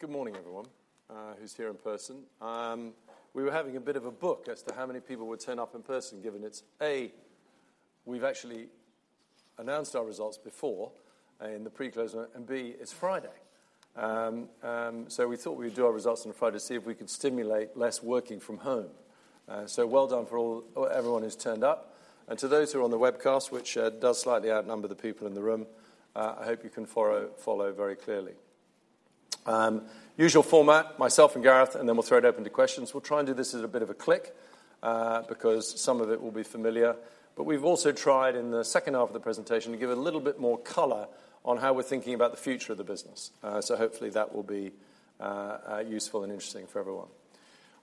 Good morning, everyone who's here in person. We were having a bit of a bet as to how many people would turn up in person, given it's, A, we've actually announced our results before in the pre-close, and B, it's Friday. So we thought we would do our results on Friday to see if we could stimulate less working from home. So well done for everyone who's turned up. And to those who are on the webcast, which does slightly outnumber the people in the room, I hope you can follow very clearly. Usual format: myself and Gareth, and then we'll throw it open to questions. We'll try and do this as a bit of a quick because some of it will be familiar. But we've also tried, in the second half of the presentation, to give a little bit more color on how we're thinking about the future of the business. So hopefully that will be useful and interesting for everyone.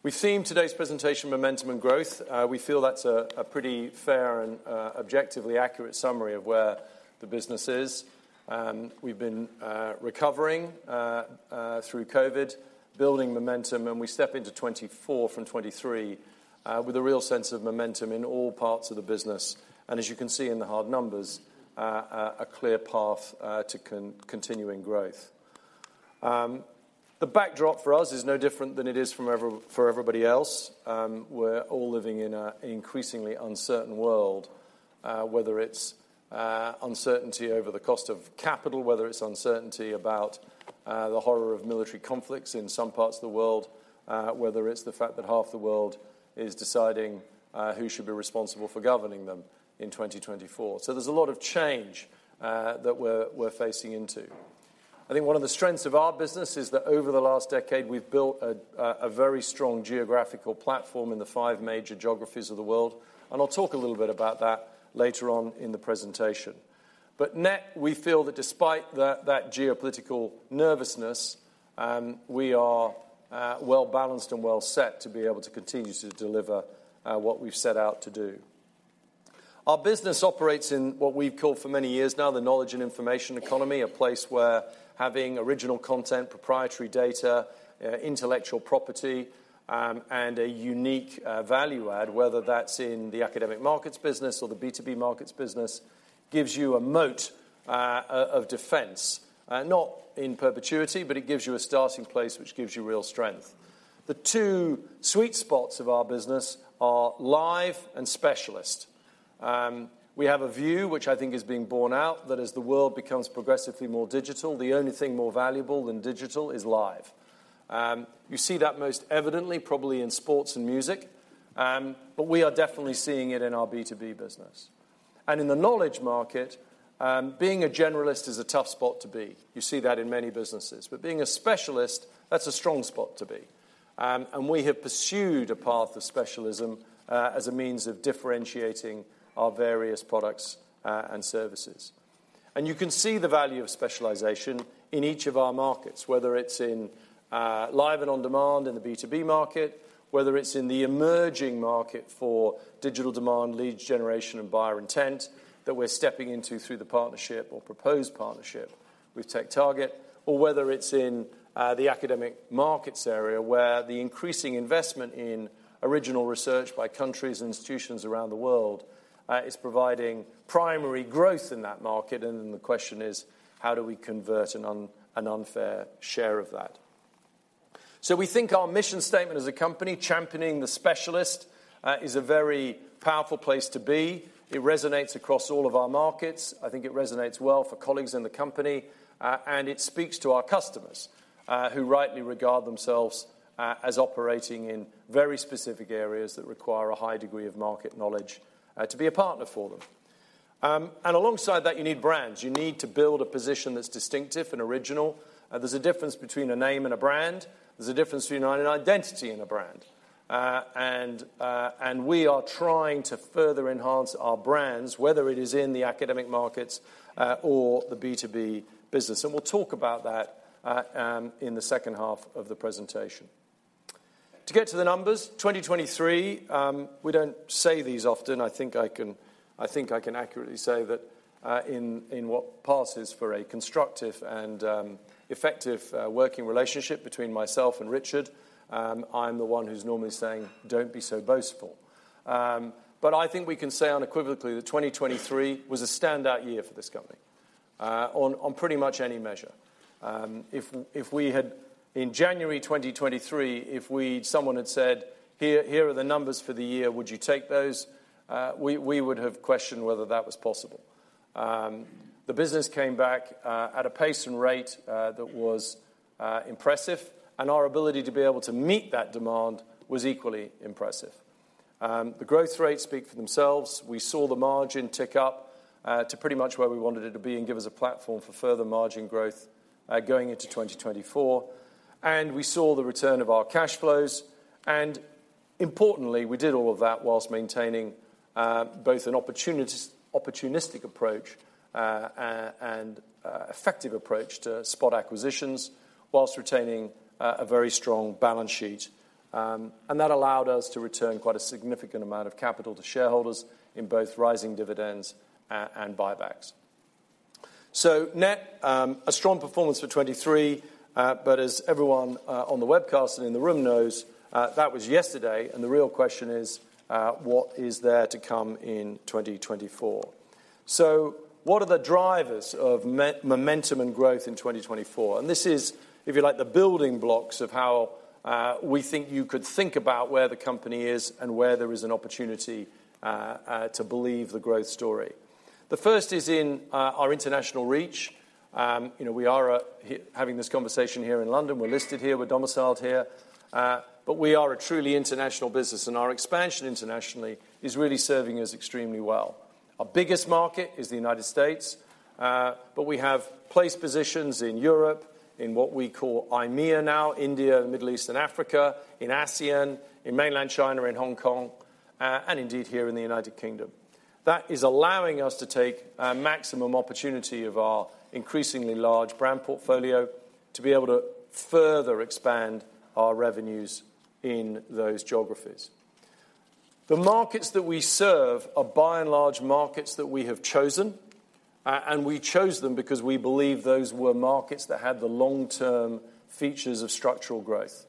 We've themed today's presentation "Momentum and Growth." We feel that's a pretty fair and objectively accurate summary of where the business is. We've been recovering through COVID, building momentum, and we step into 2024 from 2023 with a real sense of momentum in all parts of the business. And as you can see in the hard numbers, a clear path to continuing growth. The backdrop for us is no different than it is for everybody else. We're all living in an increasingly uncertain world, whether it's uncertainty over the cost of capital, whether it's uncertainty about the horror of military conflicts in some parts of the world, whether it's the fact that half the world is deciding who should be responsible for governing them in 2024. There's a lot of change that we're facing into. I think one of the strengths of our business is that over the last decade we've built a very strong geographical platform in the five major geographies of the world. I'll talk a little bit about that later on in the presentation. But net, we feel that despite that geopolitical nervousness, we are well balanced and well set to be able to continue to deliver what we've set out to do. Our business operates in what we've called for many years now the knowledge and information economy, a place where having original content, proprietary data, intellectual property, and a unique value add, whether that's in the academic markets business or the B2B markets business, gives you a moat of defense. Not in perpetuity, but it gives you a starting place which gives you real strength. The two sweet spots of our business are live and specialist. We have a view, which I think is being borne out, that as the world becomes progressively more digital, the only thing more valuable than digital is live. You see that most evidently, probably in sports and music. But we are definitely seeing it in our B2B business. In the knowledge market, being a generalist is a tough spot to be. You see that in many businesses. Being a specialist, that's a strong spot to be. We have pursued a path of specialism as a means of differentiating our various products and services. You can see the value of specialization in each of our markets, whether it's in live and on demand in the B2B market, whether it's in the emerging market for digital demand, leads generation, and buyer intent that we're stepping into through the partnership or proposed partnership with TechTarget, or whether it's in the academic markets area, where the increasing investment in original research by countries and institutions around the world is providing primary growth in that market. Then the question is, how do we convert an unfair share of that? We think our mission statement as a company, championing the specialist, is a very powerful place to be. It resonates across all of our markets. I think it resonates well for colleagues in the company. It speaks to our customers, who rightly regard themselves as operating in very specific areas that require a high degree of market knowledge to be a partner for them. Alongside that, you need brands. You need to build a position that's distinctive and original. There's a difference between a name and a brand. There's a difference between an identity and a brand. We are trying to further enhance our brands, whether it is in the academic markets or the B2B business. We'll talk about that in the second half of the presentation. To get to the numbers: 2023, we don't say these often. I think I can accurately say that in what passes for a constructive and effective working relationship between myself and Richard, I'm the one who's normally saying, "Don't be so boastful." But I think we can say unequivocally that 2023 was a standout year for this company on pretty much any measure. If we had in January 2023, if someone had said, "Here are the numbers for the year. Would you take those?" we would have questioned whether that was possible. The business came back at a pace and rate that was impressive. And our ability to be able to meet that demand was equally impressive. The growth rates speak for themselves. We saw the margin tick up to pretty much where we wanted it to be and give us a platform for further margin growth going into 2024. And we saw the return of our cash flows. Importantly, we did all of that while maintaining both an opportunistic approach and effective approach to spot acquisitions, while retaining a very strong balance sheet. That allowed us to return quite a significant amount of capital to shareholders in both rising dividends and buybacks. So net, a strong performance for 2023. But as everyone on the webcast and in the room knows, that was yesterday. The real question is, what is there to come in 2024? So what are the drivers of momentum and growth in 2024? And this is, if you like, the building blocks of how we think you could think about where the company is and where there is an opportunity to believe the growth story. The first is in our international reach. We are having this conversation here in London. We're listed here. We're domiciled here. But we are a truly international business. Our expansion internationally is really serving us extremely well. Our biggest market is the United States. We have placed positions in Europe, in what we call IMEA now, India, Middle East, and Africa, in ASEAN, in mainland China, in Hong Kong, and indeed here in the United Kingdom. That is allowing us to take maximum opportunity of our increasingly large brand portfolio to be able to further expand our revenues in those geographies. The markets that we serve are, by and large, markets that we have chosen. We chose them because we believe those were markets that had the long-term features of structural growth: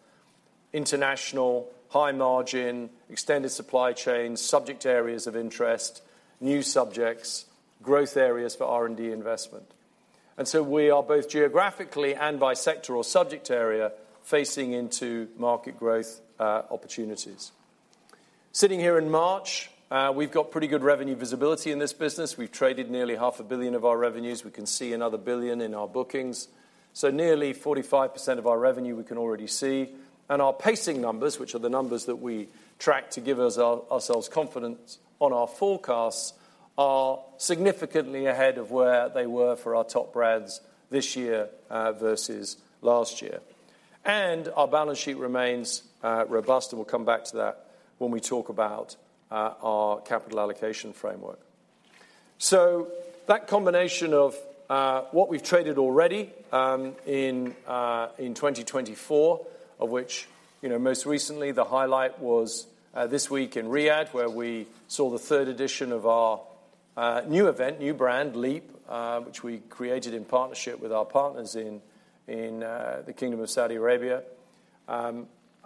international, high margin, extended supply chain, subject areas of interest, new subjects, growth areas for R&D investment. We are both geographically and by sector or subject area facing into market growth opportunities. Sitting here in March, we've got pretty good revenue visibility in this business. We've traded nearly 500 million of our revenues. We can see another 1 billion in our bookings. So nearly 45% of our revenue we can already see. And our pacing numbers, which are the numbers that we track to give ourselves confidence on our forecasts, are significantly ahead of where they were for our top brands this year versus last year. And our balance sheet remains robust. And we'll come back to that when we talk about our capital allocation framework. So that combination of what we've traded already in 2024, of which most recently the highlight was this week in Riyadh, where we saw the third edition of our new event, new brand, LEAP, which we created in partnership with our partners in the Kingdom of Saudi Arabia.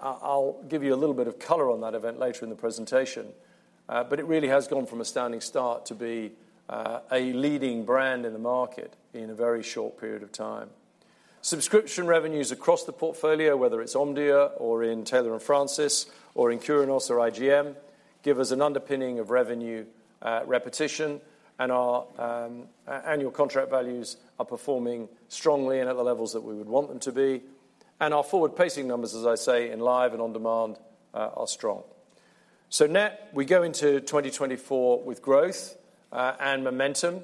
I'll give you a little bit of color on that event later in the presentation. But it really has gone from a standing start to be a leading brand in the market in a very short period of time. Subscription revenues across the portfolio, whether it's Omdia or in Taylor & Francis or in Curinos or IGM, give us an underpinning of revenue repetition. And our annual contract values are performing strongly and at the levels that we would want them to be. And our forward pacing numbers, as I say, in live and on demand are strong. So net, we go into 2024 with growth and momentum.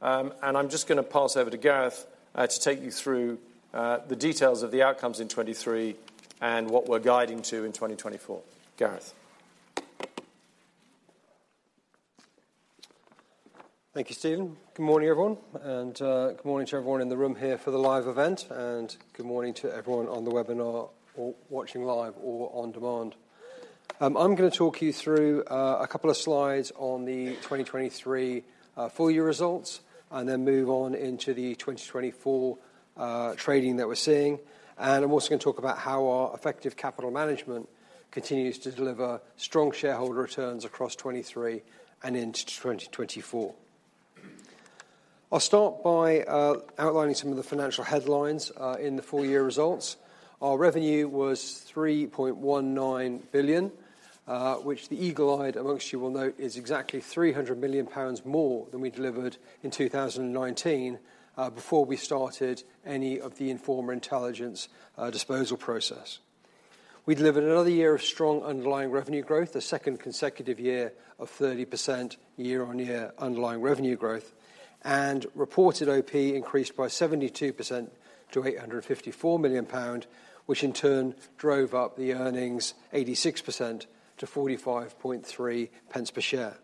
I'm just going to pass over to Gareth to take you through the details of the outcomes in 2023 and what we're guiding to in 2024. Gareth. Thank you, Stephen. Good morning, everyone. Good morning to everyone in the room here for the live event. Good morning to everyone on the webinar or watching live or on demand. I'm going to talk you through a couple of slides on the 2023 full year results and then move on into the 2024 trading that we're seeing. I'm also going to talk about how our effective capital management continues to deliver strong shareholder returns across 2023 and into 2024. I'll start by outlining some of the financial headlines in the full year results. Our revenue was 3.19 billion, which the eagle-eyed among you will note is exactly 300 million pounds more than we delivered in 2019 before we started any of the Informa Intelligence disposal process. We delivered another year of strong underlying revenue growth, the second consecutive year of 30% year-on-year underlying revenue growth. Reported OP increased by 72% to GBP 854 million, which in turn drove up the earnings 86% to 45.3 per share.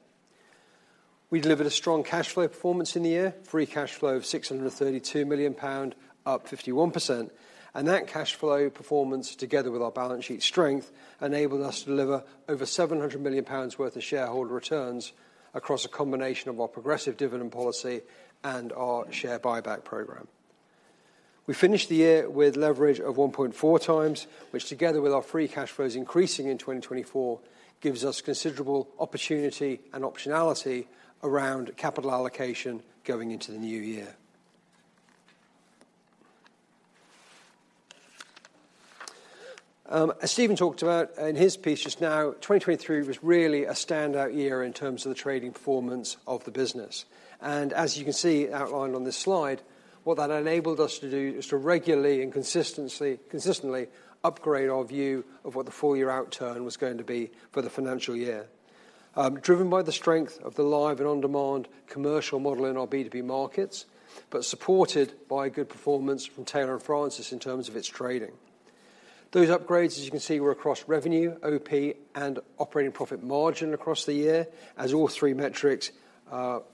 We delivered a strong cash flow performance in the year, free cash flow of 632 million pound, up 51%. And that cash flow performance, together with our balance sheet strength, enabled us to deliver over 700 million pounds worth of shareholder returns across a combination of our progressive dividend policy and our share buyback program. We finished the year with leverage of 1.4 times, which, together with our free cash flows increasing in 2024, gives us considerable opportunity and optionality around capital allocation going into the new year. As Stephen talked about in his piece just now, 2023 was really a standout year in terms of the trading performance of the business. As you can see outlined on this slide, what that enabled us to do is to regularly and consistently upgrade our view of what the full year outturn was going to be for the financial year, driven by the strength of the live and on-demand commercial model in our B2B markets, but supported by a good performance from Taylor & Francis in terms of its trading. Those upgrades, as you can see, were across revenue, OP, and operating profit margin across the year, as all three metrics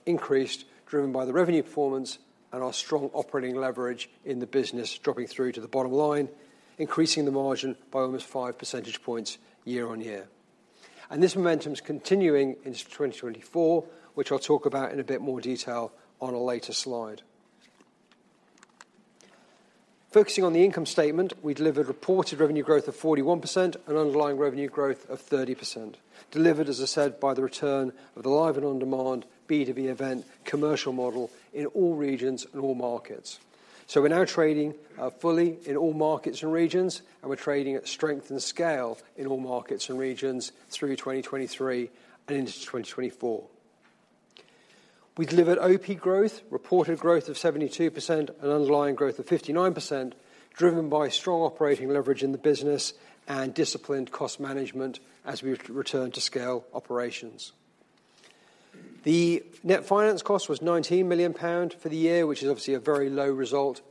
increased, driven by the revenue performance and our strong operating leverage in the business dropping through to the bottom line, increasing the margin by almost 5 percentage points year-on-year. This momentum's continuing into 2024, which I'll talk about in a bit more detail on a later slide. Focusing on the income statement, we delivered reported revenue growth of 41% and underlying revenue growth of 30%, delivered, as I said, by the return of the live and on-demand B2B event commercial model in all regions and all markets. We're now trading fully in all markets and regions. We're trading at strength and scale in all markets and regions through 2023 and into 2024. We delivered OP growth, reported growth of 72%, and underlying growth of 59%, driven by strong operating leverage in the business and disciplined cost management as we returned to scale operations. The net finance cost was 19 million pound for the year, which is obviously a very low result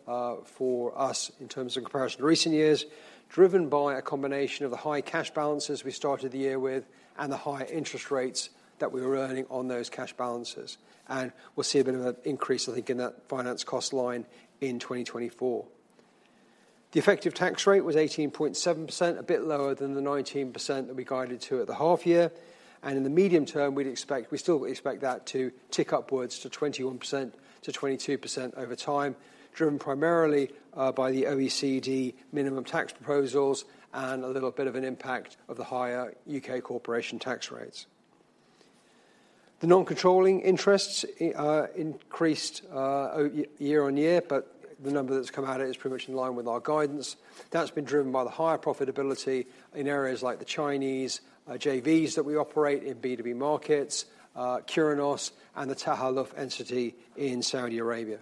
for us in terms of comparison to recent years, driven by a combination of the high cash balances we started the year with and the higher interest rates that we were earning on those cash balances. We'll see a bit of an increase, I think, in that finance cost line in 2024. The effective tax rate was 18.7%, a bit lower than the 19% that we guided to at the half year. In the medium term, we'd expect we still expect that to tick upwards to 21%-22% over time, driven primarily by the OECD minimum tax proposals and a little bit of an impact of the higher UK corporation tax rates. The non-controlling interests increased year-on-year. But the number that's come out of it is pretty much in line with our guidance. That's been driven by the higher profitability in areas like the Chinese JVs that we operate in B2B markets, Curinos, and the Tahaluf entity in Saudi Arabia.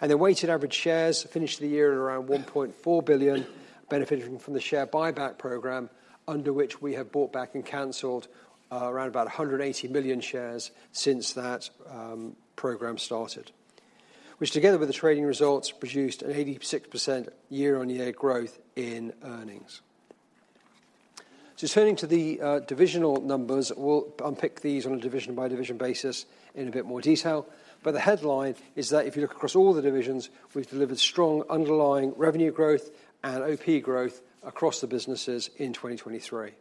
The weighted average shares finished the year at around 1.4 billion, benefiting from the share buyback program under which we have bought back and cancelled around about 180 million shares since that program started, which, together with the trading results, produced an 86% year-on-year growth in earnings. So turning to the divisional numbers, we'll unpick these on a division-by-division basis in a bit more detail. But the headline is that, if you look across all the divisions, we've delivered strong underlying revenue growth and OP growth across the businesses in 2023.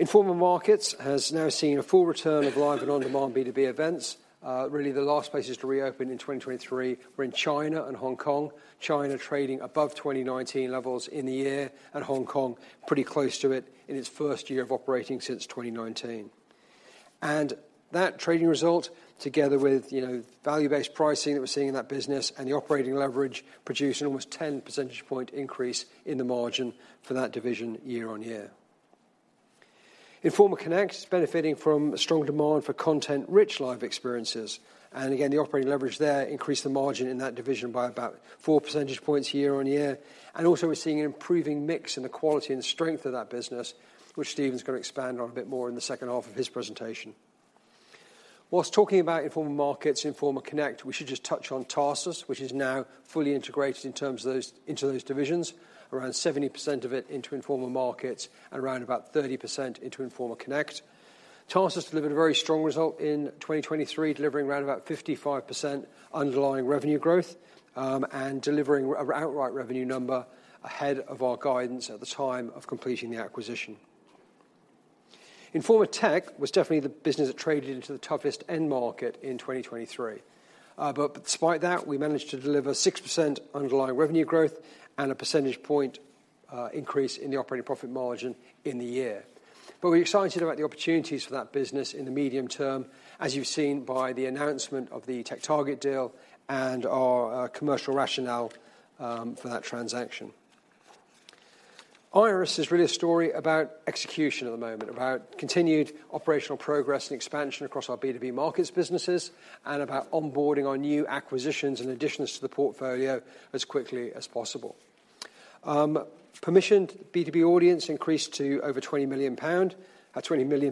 Informa Markets have now seen a full return of live and on-demand B2B events. Really, the last places to reopen in 2023 were in China and Hong Kong. China, trading above 2019 levels in the year and Hong Kong pretty close to it in its first year of operating since 2019. That trading result, together with value-based pricing that we're seeing in that business and the operating leverage, produced an almost 10 percentage point increase in the margin for that division year-on-year. Informa Connect benefiting from a strong demand for content-rich live experiences. Again, the operating leverage there increased the margin in that division by about 4 percentage points year-on-year. Also, we're seeing an improving mix in the quality and strength of that business, which Stephen's going to expand on a bit more in the second half of his presentation. While talking about Informa Markets and Informa Connect, we should just touch on Tarsus, which is now fully integrated in terms of those divisions, around 70% of it into Informa Markets and around about 30% into Informa Connect. Tarsus delivered a very strong result in 2023, delivering around about 55% underlying revenue growth and delivering an outright revenue number ahead of our guidance at the time of completing the acquisition. Informa Tech was definitely the business that traded into the toughest end market in 2023. But despite that, we managed to deliver 6% underlying revenue growth and a percentage point increase in the operating profit margin in the year. But we're excited about the opportunities for that business in the medium term, as you've seen by the announcement of the TechTarget deal and our commercial rationale for that transaction. IIRIS is really a story about execution at the moment, about continued operational progress and expansion across our B2B markets businesses, and about onboarding our new acquisitions and additions to the portfolio as quickly as possible. Permissioned B2B audience increased to over 20 million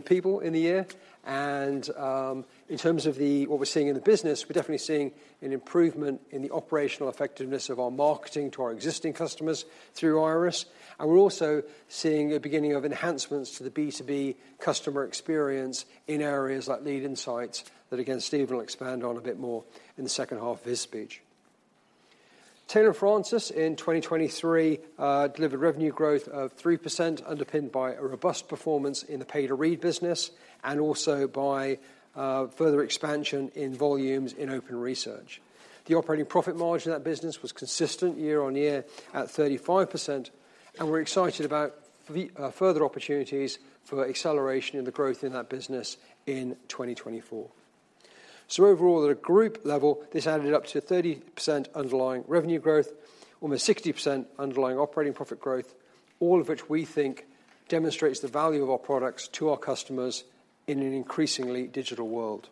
people in the year. In terms of what we're seeing in the business, we're definitely seeing an improvement in the operational effectiveness of our marketing to our existing customers through IIRIS. We're also seeing a beginning of enhancements to the B2B customer experience in areas like Lead Insights that, again, Stephen will expand on a bit more in the second half of his speech. Taylor & Francis in 2023 delivered revenue growth of 3%, underpinned by a robust performance in the pay-to-read business and also by further expansion in volumes in open research. The operating profit margin of that business was consistent year-on-year at 35%. We're excited about further opportunities for acceleration in the growth in that business in 2024. Overall, at a group level, this added up to 30% underlying revenue growth, almost 60% underlying operating profit growth, all of which we think demonstrates the value of our products to our customers in an increasingly digital world.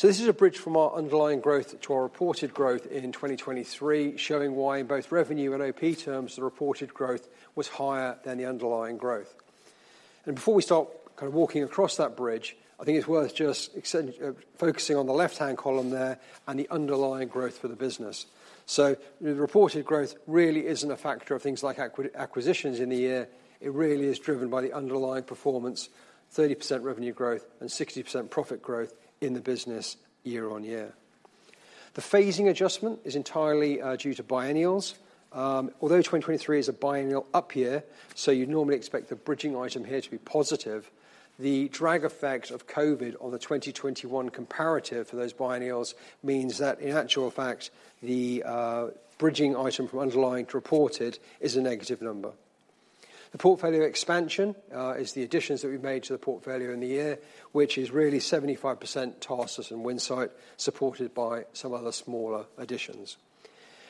This is a bridge from our underlying growth to our reported growth in 2023, showing why, in both revenue and OP terms, the reported growth was higher than the underlying growth. Before we start kind of walking across that bridge, I think it's worth just focusing on the left-hand column there and the underlying growth for the business. The reported growth really isn't a factor of things like acquisitions in the year. It really is driven by the underlying performance, 30% revenue growth, and 60% profit growth in the business year-on-year. The phasing adjustment is entirely due to biennials. Although 2023 is a biennial up year, so you'd normally expect the bridging item here to be positive, the drag effect of COVID on the 2021 comparative for those biennials means that, in actual fact, the bridging item from underlying to reported is a negative number. The portfolio expansion is the additions that we've made to the portfolio in the year, which is really 75% Tarsus and Windsight, supported by some other smaller additions.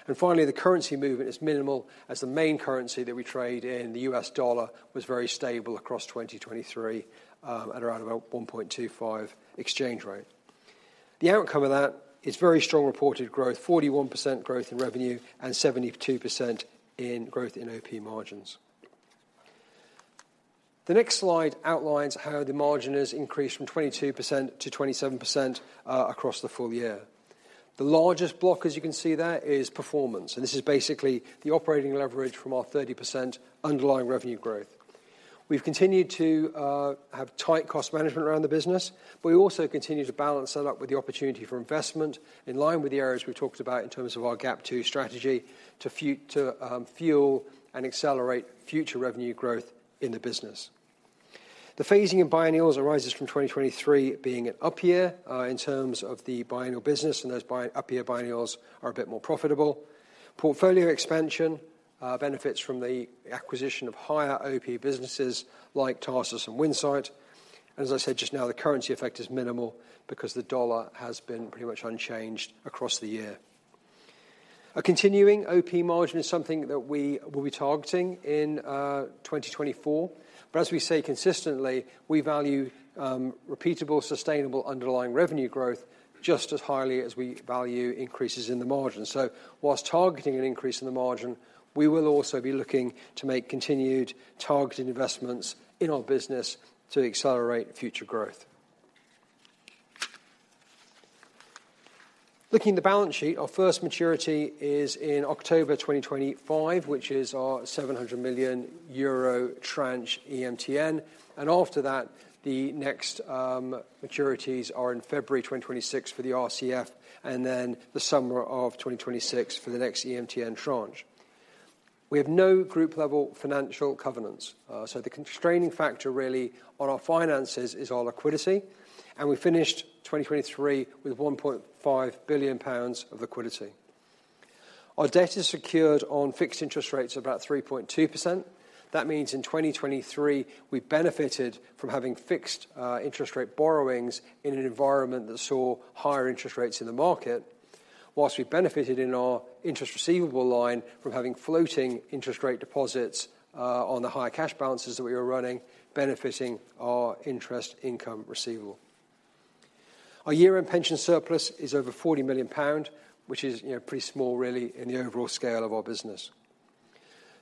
And finally, the currency movement is minimal, as the main currency that we trade in, the US dollar, was very stable across 2023 at around about 1.25 exchange rate. The outcome of that is very strong reported growth, 41% growth in revenue, and 72% in growth in OP margins. The next slide outlines how the margins increased from 22% to 27% across the full year. The largest block, as you can see there, is performance. And this is basically the operating leverage from our 30% underlying revenue growth. We've continued to have tight cost management around the business. But we also continue to balance that up with the opportunity for investment in line with the areas we've talked about in terms of our GAP2 strategy to fuel and accelerate future revenue growth in the business. The phasing in biennials arises from 2023 being an up year in terms of the biennial business. And those up year biennials are a bit more profitable. Portfolio expansion benefits from the acquisition of higher OP businesses like Tarsus and Windsight. And as I said just now, the currency effect is minimal because the US dollar has been pretty much unchanged across the year. A continuing OP margin is something that we will be targeting in 2024. But as we say consistently, we value repeatable, sustainable underlying revenue growth just as highly as we value increases in the margin. So while targeting an increase in the margin, we will also be looking to make continued targeted investments in our business to accelerate future growth. Looking at the balance sheet, our first maturity is in October 2025, which is our 700 million euro tranche EMTN. And after that, the next maturities are in February 2026 for the RCF and then the summer of 2026 for the next EMTN tranche. We have no group-level financial covenants. So the constraining factor really on our finances is our liquidity. And we finished 2023 with 1.5 billion pounds of liquidity. Our debt is secured on fixed interest rates of about 3.2%. That means, in 2023, we benefited from having fixed interest rate borrowings in an environment that saw higher interest rates in the market, whilst we benefited in our interest receivable line from having floating interest rate deposits on the higher cash balances that we were running, benefiting our interest income receivable. Our year-end pension surplus is over 40 million pound, which is pretty small, really, in the overall scale of our business.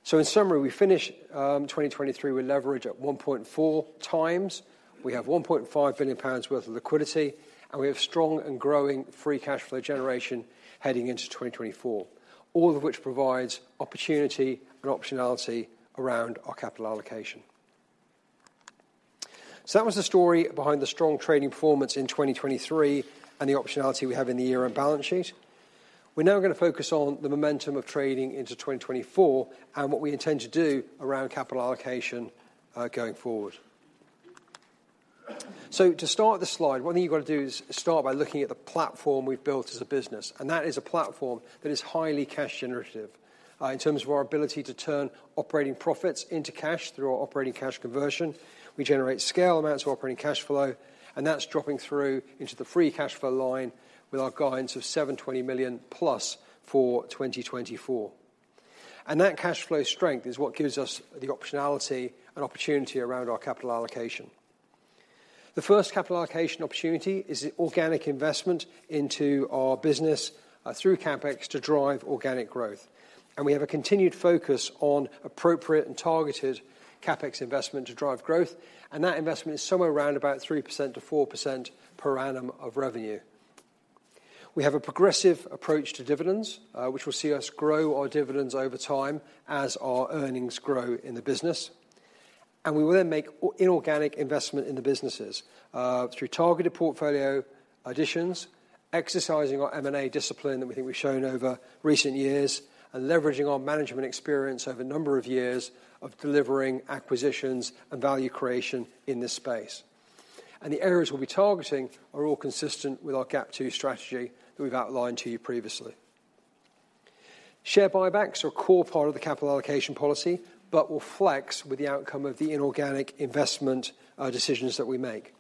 So in summary, we finish 2023 with leverage at 1.4 times. We have 1.5 billion pounds worth of liquidity. And we have strong and growing free cash flow generation heading into 2024, all of which provides opportunity and optionality around our capital allocation. So that was the story behind the strong trading performance in 2023 and the optionality we have in the year-end balance sheet. We're now going to focus on the momentum of trading into 2024 and what we intend to do around capital allocation going forward. To start the slide, one thing you've got to do is start by looking at the platform we've built as a business. That is a platform that is highly cash generative in terms of our ability to turn operating profits into cash through our operating cash conversion. We generate scale amounts of operating cash flow. That's dropping through into the free cash flow line with our guidance of 720 million+ for 2024. That cash flow strength is what gives us the optionality and opportunity around our capital allocation. The first capital allocation opportunity is organic investment into our business through CapEx to drive organic growth. We have a continued focus on appropriate and targeted CapEx investment to drive growth. That investment is somewhere around about 3%-4% per annum of revenue. We have a progressive approach to dividends, which will see us grow our dividends over time as our earnings grow in the business. We will then make inorganic investment in the businesses through targeted portfolio additions, exercising our M&A discipline that we think we've shown over recent years, and leveraging our management experience over a number of years of delivering acquisitions and value creation in this space. The areas we'll be targeting are all consistent with our GAP2 strategy that we've outlined to you previously. Share buybacks are a core part of the capital allocation policy but will flex with the outcome of the inorganic investment decisions that we make.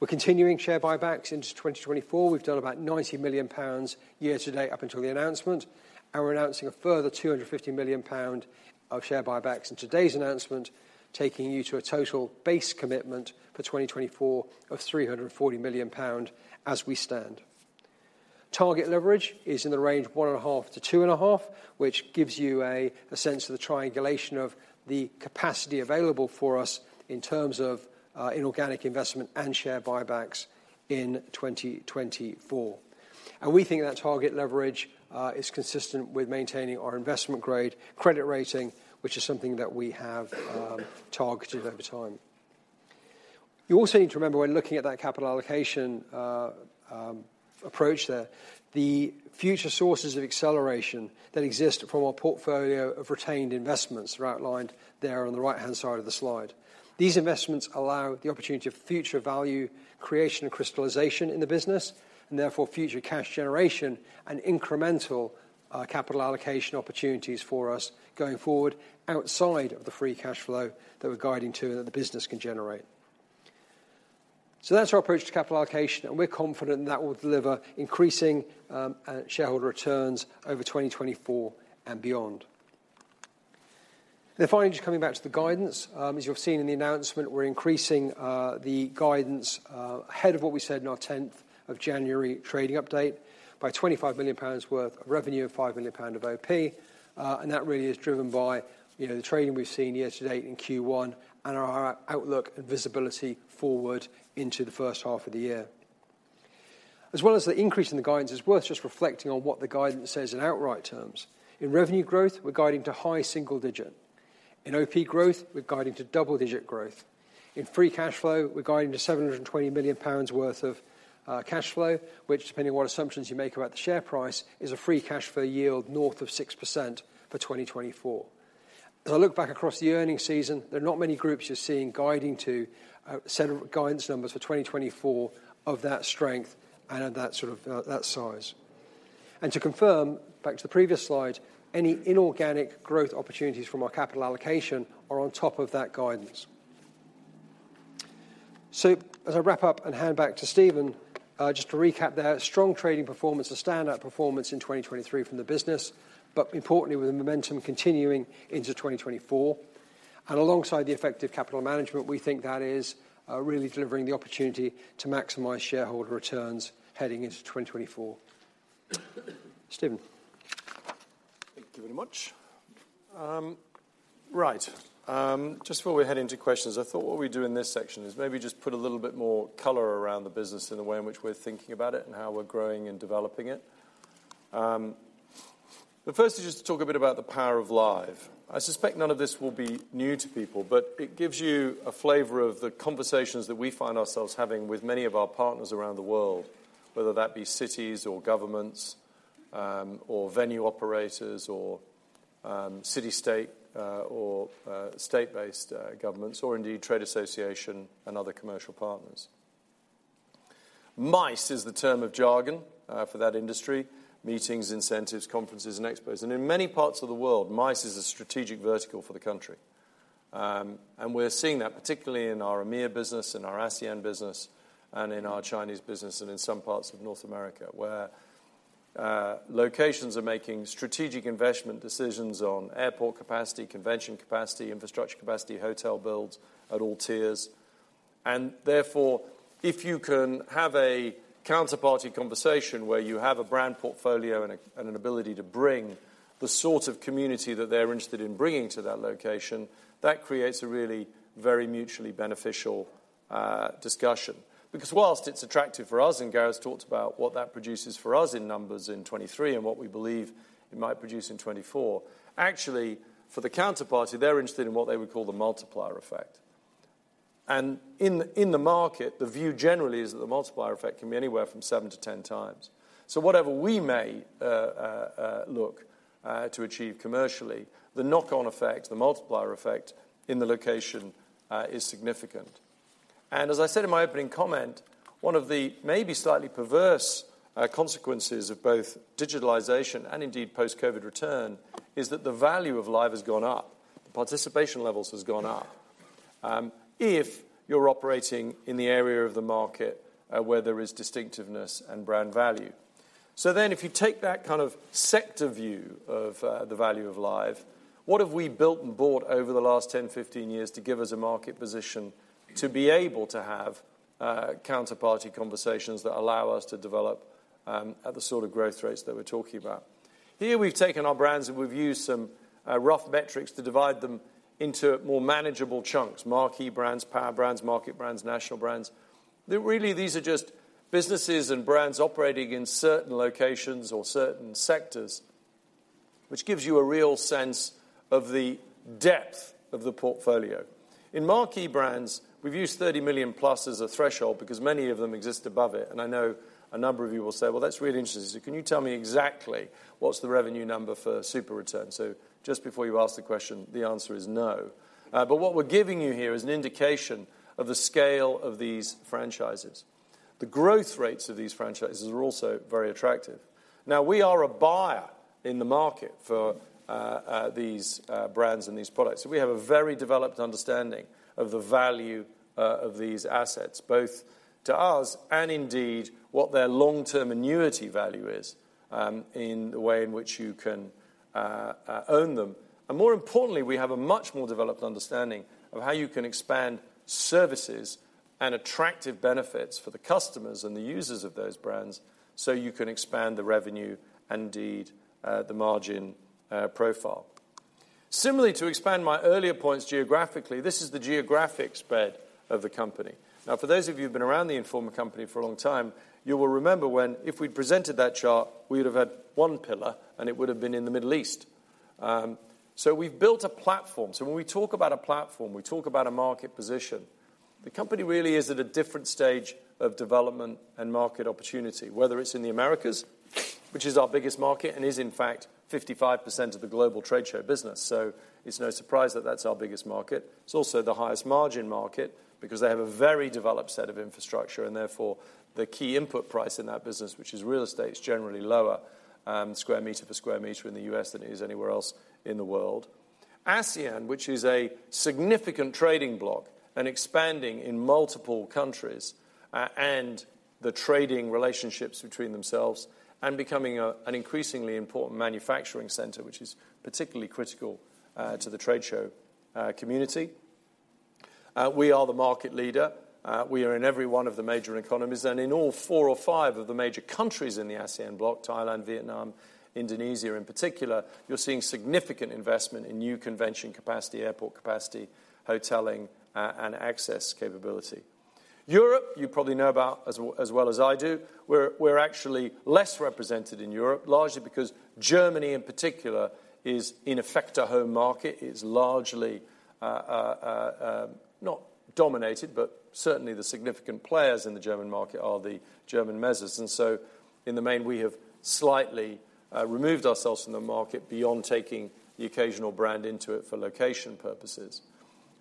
We're continuing share buybacks into 2024. We've done about 90 million pounds year-to-date up until the announcement. We're announcing a further 250 million pound of share buybacks in today's announcement, taking you to a total base commitment for 2024 of 340 million pound as we stand. Target leverage is in the range of 1.5-2.5, which gives you a sense of the triangulation of the capacity available for us in terms of inorganic investment and share buybacks in 2024. We think that target leverage is consistent with maintaining our Investment Grade Credit Rating, which is something that we have targeted over time. You also need to remember, when looking at that capital allocation approach there, the future sources of acceleration that exist from our portfolio of retained investments are outlined there on the right-hand side of the slide. These investments allow the opportunity of future value creation and crystallisation in the business and, therefore, future cash generation and incremental capital allocation opportunities for us going forward outside of the free cash flow that we're guiding to and that the business can generate. So that's our approach to capital allocation. We're confident that that will deliver increasing shareholder returns over 2024 and beyond. Finally, just coming back to the guidance, as you've seen in the announcement, we're increasing the guidance ahead of what we said in our 10th of January trading update by 25 million pounds worth of revenue and 5 million pounds of OP. That really is driven by the trading we've seen year-to-date in Q1 and our outlook and visibility forward into the first half of the year. As well as the increase in the guidance, it's worth just reflecting on what the guidance says in outright terms. In revenue growth, we're guiding to high single digit. In OP growth, we're guiding to double digit growth. In free cash flow, we're guiding to 720 million pounds worth of cash flow, which, depending on what assumptions you make about the share price, is a free cash flow yield north of 6% for 2024. As I look back across the earnings season, there are not many groups you're seeing guiding to a set of guidance numbers for 2024 of that strength and of that sort of that size. And to confirm, back to the previous slide, any inorganic growth opportunities from our capital allocation are on top of that guidance. So as I wrap up and hand back to Stephen, just to recap there, strong trading performance is a standout performance in 2023 from the business, but importantly, with the momentum continuing into 2024. And alongside the effective capital management, we think that is really delivering the opportunity to maximize shareholder returns heading into 2024. Stephen. Thank you very much. Right. Just before we head into questions, I thought what we'd do in this section is maybe just put a little bit more color around the business in the way in which we're thinking about it and how we're growing and developing it. The first is just to talk a bit about the power of live. I suspect none of this will be new to people. But it gives you a flavor of the conversations that we find ourselves having with many of our partners around the world, whether that be cities or governments or venue operators or city-state or state-based governments or, indeed, trade associations and other commercial partners. MICE is the term of jargon for that industry: meetings, incentives, conferences, and expositions. And in many parts of the world, MICE is a strategic vertical for the country. And we're seeing that, particularly in our EMEA business and our ASEAN business and in our Chinese business and in some parts of North America, where locations are making strategic investment decisions on airport capacity, convention capacity, infrastructure capacity, hotel builds at all tiers. Therefore, if you can have a counterparty conversation where you have a brand portfolio and an ability to bring the sort of community that they're interested in bringing to that location, that creates a really very mutually beneficial discussion. Because while it's attractive for us and Gareth talked about what that produces for us in numbers in 2023 and what we believe it might produce in 2024, actually, for the counterparty, they're interested in what they would call the multiplier effect. In the market, the view generally is that the multiplier effect can be anywhere from 7 to 10 times. Whatever we may look to achieve commercially, the knock-on effect, the multiplier effect in the location, is significant. As I said in my opening comment, one of the maybe slightly perverse consequences of both digitalization and, indeed, post-COVID return is that the value of live has gone up. The participation levels have gone up if you're operating in the area of the market where there is distinctiveness and brand value. So then, if you take that kind of sector view of the value of live, what have we built and bought over the last 10, 15 years to give us a market position to be able to have counterparty conversations that allow us to develop at the sort of growth rates that we're talking about? Here, we've taken our brands, and we've used some rough metrics to divide them into more manageable chunks: marquee brands, power brands, market brands, national brands. Really, these are just businesses and brands operating in certain locations or certain sectors, which gives you a real sense of the depth of the portfolio. In marquee brands, we've used 30 million+ as a threshold because many of them exist above it. And I know a number of you will say, well, that's really interesting. So can you tell me exactly what's the revenue number for SuperReturn? So just before you ask the question, the answer is no. But what we're giving you here is an indication of the scale of these franchises. The growth rates of these franchises are also very attractive. Now, we are a buyer in the market for these brands and these products. So we have a very developed understanding of the value of these assets, both to us and, indeed, what their long-term annuity value is in the way in which you can own them. And more importantly, we have a much more developed understanding of how you can expand services and attractive benefits for the customers and the users of those brands so you can expand the revenue, and, indeed, the margin profile. Similarly, to expand my earlier points geographically, this is the geographic spread of the company. Now, for those of you who've been around the Informa company for a long time, you will remember when, if we'd presented that chart, we would have had one pillar. And it would have been in the Middle East. So we've built a platform. So when we talk about a platform, we talk about a market position. The company really is at a different stage of development and market opportunity, whether it's in the Americas, which is our biggest market and is, in fact, 55% of the global trade show business. So it's no surprise that that's our biggest market. It's also the highest margin market because they have a very developed set of infrastructure. And therefore, the key input price in that business, which is real estate, is generally lower square meter per square meter in the US than it is anywhere else in the world. ASEAN, which is a significant trading bloc and expanding in multiple countries and the trading relationships between themselves and becoming an increasingly important manufacturing center, which is particularly critical to the trade show community. We are the market leader. We are in every one of the major economies. And in all four or five of the major countries in the ASEAN bloc, Thailand, Vietnam, Indonesia in particular, you're seeing significant investment in new convention capacity, airport capacity, hotelling, and access capability. Europe, you probably know about as well as I do, we're actually less represented in Europe, largely because Germany, in particular, is in effect a home market. It's largely not dominated. But certainly, the significant players in the German market are the German MESAs. And so in the main, we have slightly removed ourselves from the market beyond taking the occasional brand into it for location purposes.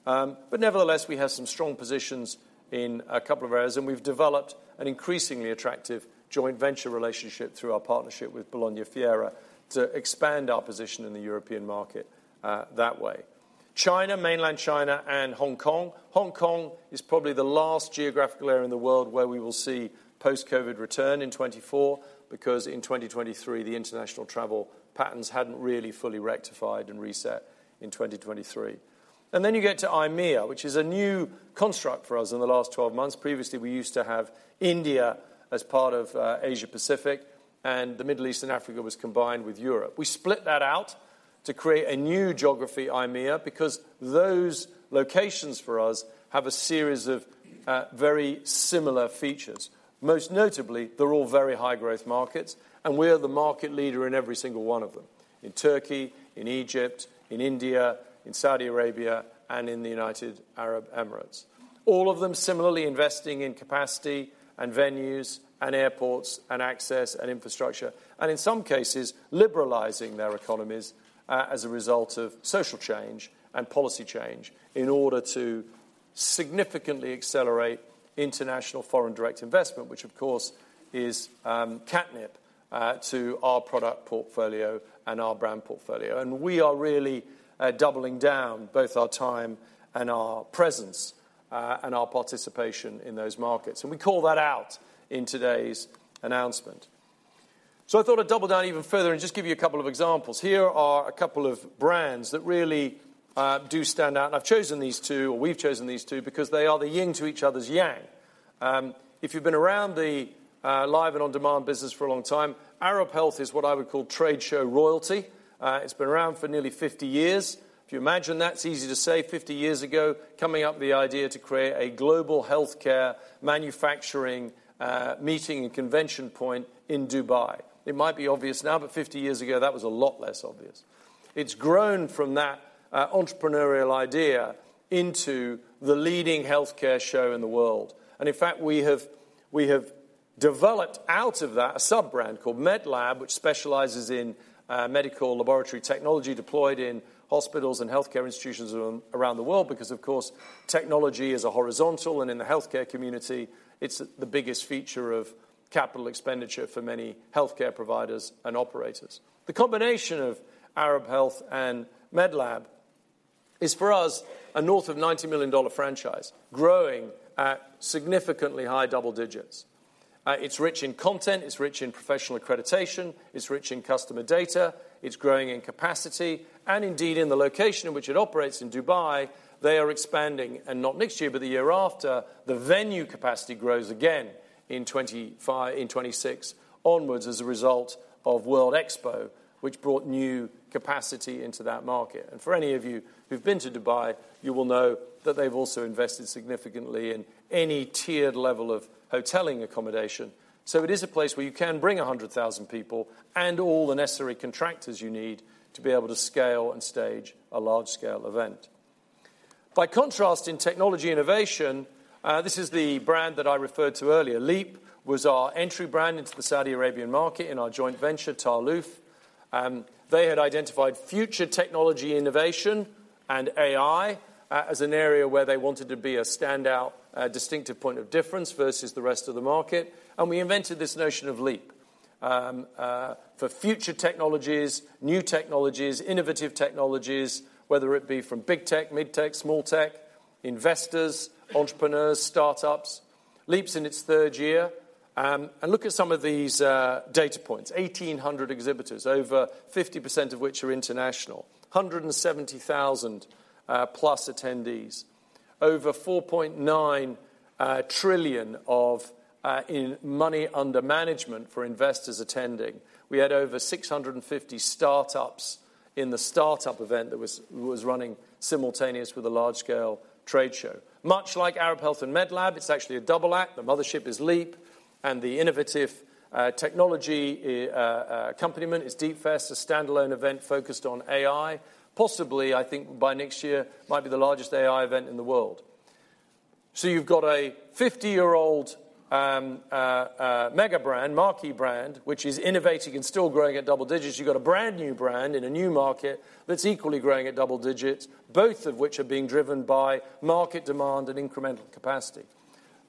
But nevertheless, we have some strong positions in a couple of areas. And we've developed an increasingly attractive joint venture relationship through our partnership with BolognaFiere to expand our position in the European market that way. China, mainland China, and Hong Kong. Hong Kong is probably the last geographical area in the world where we will see post-COVID return in 2024 because, in 2023, the international travel patterns hadn't really fully rectified and reset in 2023. And then you get to EMEA, which is a new construct for us in the last 12 months. Previously, we used to have India as part of Asia-Pacific. And the Middle East and Africa was combined with Europe. We split that out to create a new geography, EMEA, because those locations for us have a series of very similar features. Most notably, they're all very high-growth markets. And we are the market leader in every single one of them: in Turkey, in Egypt, in India, in Saudi Arabia, and in the United Arab Emirates. All of them similarly investing in capacity and venues and airports and access and infrastructure and, in some cases, liberalizing their economies as a result of social change and policy change in order to significantly accelerate international foreign direct investment, which, of course, is catnip to our product portfolio and our brand portfolio. We are really doubling down both our time and our presence and our participation in those markets. We call that out in today's announcement. I thought I'd double down even further and just give you a couple of examples. Here are a couple of brands that really do stand out. I've chosen these two or we've chosen these two because they are the yin to each other's yang. If you've been around the live and on-demand business for a long time, Arab Health is what I would call trade show royalty. It's been around for nearly 50 years. If you imagine, that's easy to say. 50 years ago, coming up with the idea to create a global healthcare manufacturing meeting and convention point in Dubai. It might be obvious now. But 50 years ago, that was a lot less obvious. It's grown from that entrepreneurial idea into the leading healthcare show in the world. And in fact, we have developed out of that a sub-brand called Medlab, which specializes in medical laboratory technology deployed in hospitals and healthcare institutions around the world because, of course, technology is horizontal. And in the healthcare community, it's the biggest feature of capital expenditure for many healthcare providers and operators. The combination of Arab Health and Medlab is, for us, a north of $90 million franchise growing at significantly high double digits. It's rich in content. It's rich in professional accreditation. It's rich in customer data. It's growing in capacity. Indeed, in the location in which it operates, in Dubai, they are expanding. Not next year, but the year after, the venue capacity grows again in 2025, in 2026 onwards as a result of World Expo, which brought new capacity into that market. For any of you who've been to Dubai, you will know that they've also invested significantly in any tiered level of hotelling accommodation. It is a place where you can bring 100,000 people and all the necessary contractors you need to be able to scale and stage a large-scale event. By contrast, in technology innovation, this is the brand that I referred to earlier. LEAP was our entry brand into the Saudi Arabian market in our joint venture, Tahaluf. They had identified future technology innovation and AI as an area where they wanted to be a standout, distinctive point of difference versus the rest of the market. We invented this notion of LEAP for future technologies, new technologies, innovative technologies, whether it be from big tech, mid tech, small tech, investors, entrepreneurs, startups. LEAP's in its third year. Look at some of these data points: 1,800 exhibitors, over 50% of which are international, 170,000+ attendees, over $4.9 trillion in money under management for investors attending. We had over 650 startups in the startup event that was running simultaneous with a large-scale trade show. Much like Arab Health and MedLab, it's actually a double act. The mothership is LEAP. The innovative technology accompaniment is DeepFest, a standalone event focused on AI, possibly, I think, by next year, might be the largest AI event in the world. You've got a 50-year-old mega brand, marquee brand, which is innovating and still growing at double digits. You've got a brand new brand in a new market that's equally growing at double digits, both of which are being driven by market demand and incremental capacity.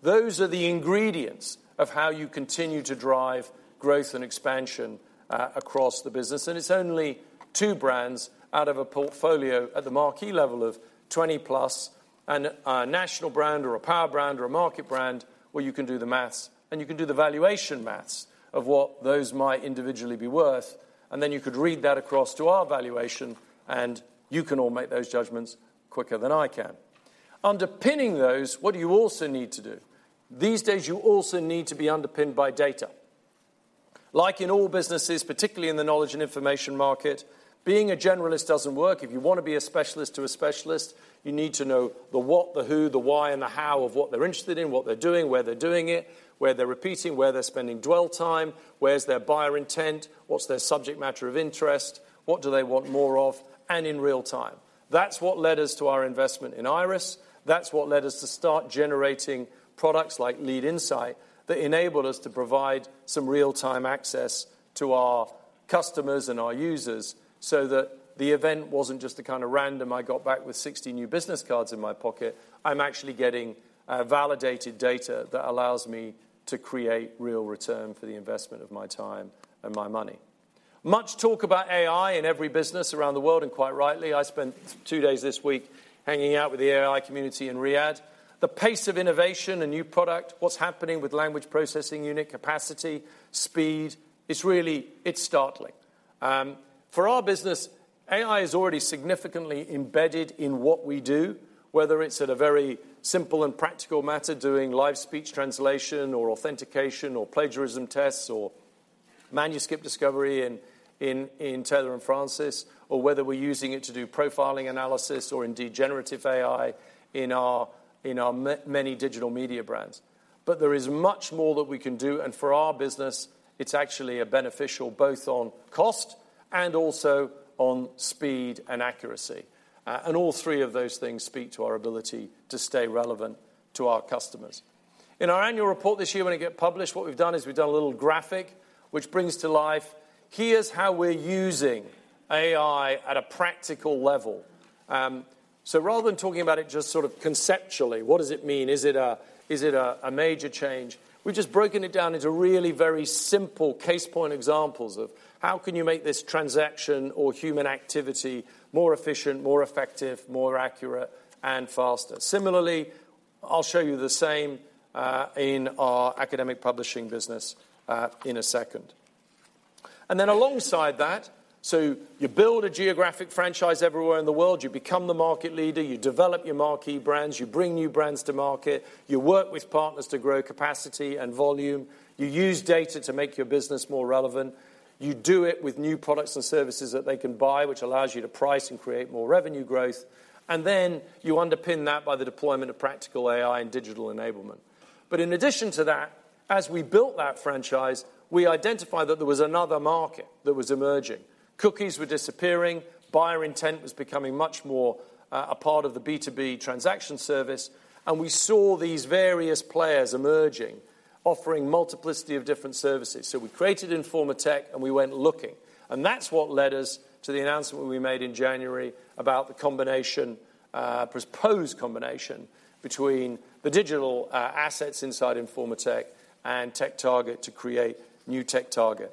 Those are the ingredients of how you continue to drive growth and expansion across the business. It's only two brands out of a portfolio at the marquee level of 20-plus and a national brand or a power brand or a market brand where you can do the math. You can do the valuation math of what those might individually be worth. Then you could read that across to our valuation. You can all make those judgments quicker than I can. Underpinning those, what do you also need to do? These days, you also need to be underpinned by data. Like in all businesses, particularly in the knowledge and information market, being a generalist doesn't work. If you want to be a specialist to a specialist, you need to know the what, the who, the why, and the how of what they're interested in, what they're doing, where they're doing it, where they're repeating, where they're spending dwell time, where's their buyer intent, what's their subject matter of interest, what do they want more of, and in real time. That's what led us to our investment in IIRIS. That's what led us to start generating products like Lead Insights that enable us to provide some real-time access to our customers and our users so that the event wasn't just a kind of random, "I got back with 60 new business cards in my pocket." I'm actually getting validated data that allows me to create real return for the investment of my time and my money. Much talk about AI in every business around the world. And quite rightly, I spent two days this week hanging out with the AI community in Riyadh. The pace of innovation, a new product, what's happening with language processing unit capacity, speed, it's really it's startling. For our business, AI is already significantly embedded in what we do, whether it's at a very simple and practical matter, doing live speech translation or authentication or plagiarism tests or manuscript discovery in Taylor & Francis, or whether we're using it to do profiling analysis or, indeed, generative AI in our many digital media brands. But there is much more that we can do. And for our business, it's actually beneficial both on cost and also on speed and accuracy. And all three of those things speak to our ability to stay relevant to our customers. In our annual report this year, when it gets published, what we've done is we've done a little graphic, which brings to life, here's how we're using AI at a practical level. So rather than talking about it just sort of conceptually, what does it mean? Is it a major change? We've just broken it down into really very simple case point examples of, how can you make this transaction or human activity more efficient, more effective, more accurate, and faster? Similarly, I'll show you the same in our academic publishing business in a second. And then alongside that, so you build a geographic franchise everywhere in the world. You become the market leader. You develop your marquee brands. You bring new brands to market. You work with partners to grow capacity and volume. You use data to make your business more relevant. You do it with new products and services that they can buy, which allows you to price and create more revenue growth. And then you underpin that by the deployment of practical AI and digital enablement. But in addition to that, as we built that franchise, we identified that there was another market that was emerging. Cookies were disappearing. Buyer intent was becoming much more a part of the B2B transaction service. And we saw these various players emerging, offering multiplicity of different services. So we created Informa Tech. And we went looking. And that's what led us to the announcement we made in January about the combination, proposed combination, between the digital assets inside Informa Tech and TechTarget to create new TechTarget.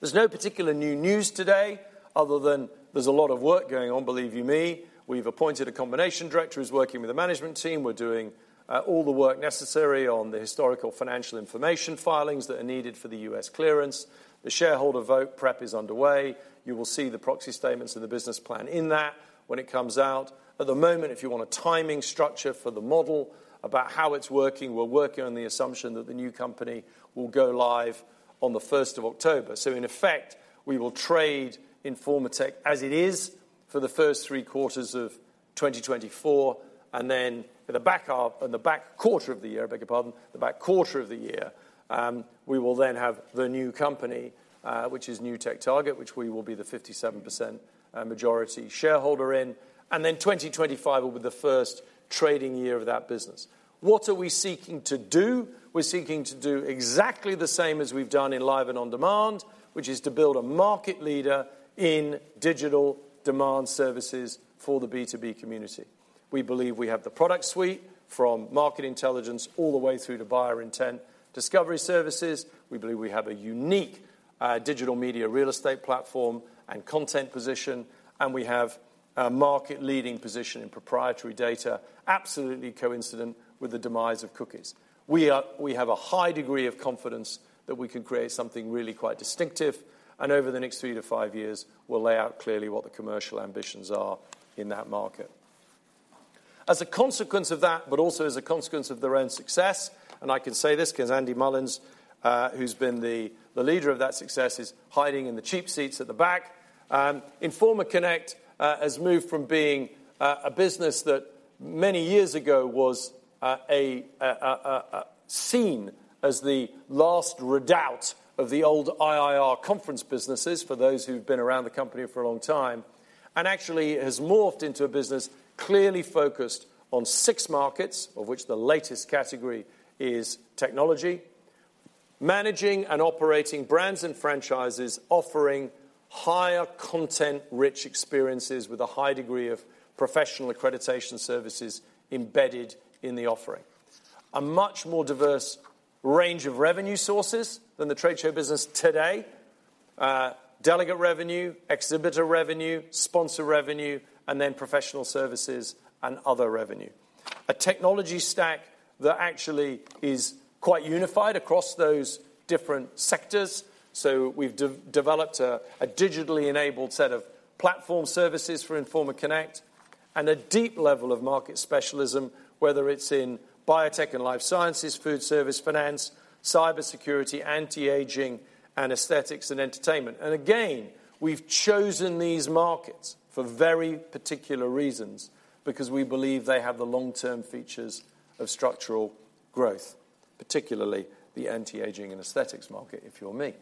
There's no particular new news today other than there's a lot of work going on, believe you me. We've appointed a combination director who's working with the management team. We're doing all the work necessary on the historical financial information filings that are needed for the US clearance. The shareholder vote prep is underway. You will see the proxy statements and the business plan in that when it comes out. At the moment, if you want a timing structure for the model about how it's working, we're working on the assumption that the new company will go live on the 1st of October. So in effect, we will trade Informa Tech as it is for the first three quarters of 2024. And then in the back quarter of the year I beg your pardon, the back quarter of the year, we will then have the new company, which is new TechTarget, which we will be the 57% majority shareholder in. And then 2025 will be the first trading year of that business. What are we seeking to do? We're seeking to do exactly the same as we've done in live and on-demand, which is to build a market leader in digital demand services for the B2B community. We believe we have the product suite from market intelligence all the way through to buyer intent discovery services. We believe we have a unique digital media real estate platform and content position. We have a market-leading position in proprietary data, absolutely coincident with the demise of cookies. We have a high degree of confidence that we can create something really quite distinctive. Over the next three to five years, we'll lay out clearly what the commercial ambitions are in that market. As a consequence of that, but also as a consequence of their own success, and I can say this because Andy Mullins, who's been the leader of that success, is hiding in the cheap seats at the back. Connect has moved from being a business that many years ago was seen as the last redoubt of the old IIR conference businesses, for those who've been around the company for a long time, and actually has morphed into a business clearly focused on six markets, of which the latest category is technology, managing and operating brands and franchises offering higher content-rich experiences with a high degree of professional accreditation services embedded in the offering, a much more diverse range of revenue sources than the trade show business today: delegate revenue, exhibitor revenue, sponsor revenue, and then professional services and other revenue, a technology stack that actually is quite unified across those different sectors. So we've developed a digitally-enabled set of platform services for Informa Connect and a deep level of market specialism, whether it's in biotech and life sciences, food service, finance, cybersecurity, anti-aging, aesthetics, and entertainment. And again, we've chosen these markets for very particular reasons because we believe they have the long-term features of structural growth, particularly the anti-aging and aesthetics market, if you're me.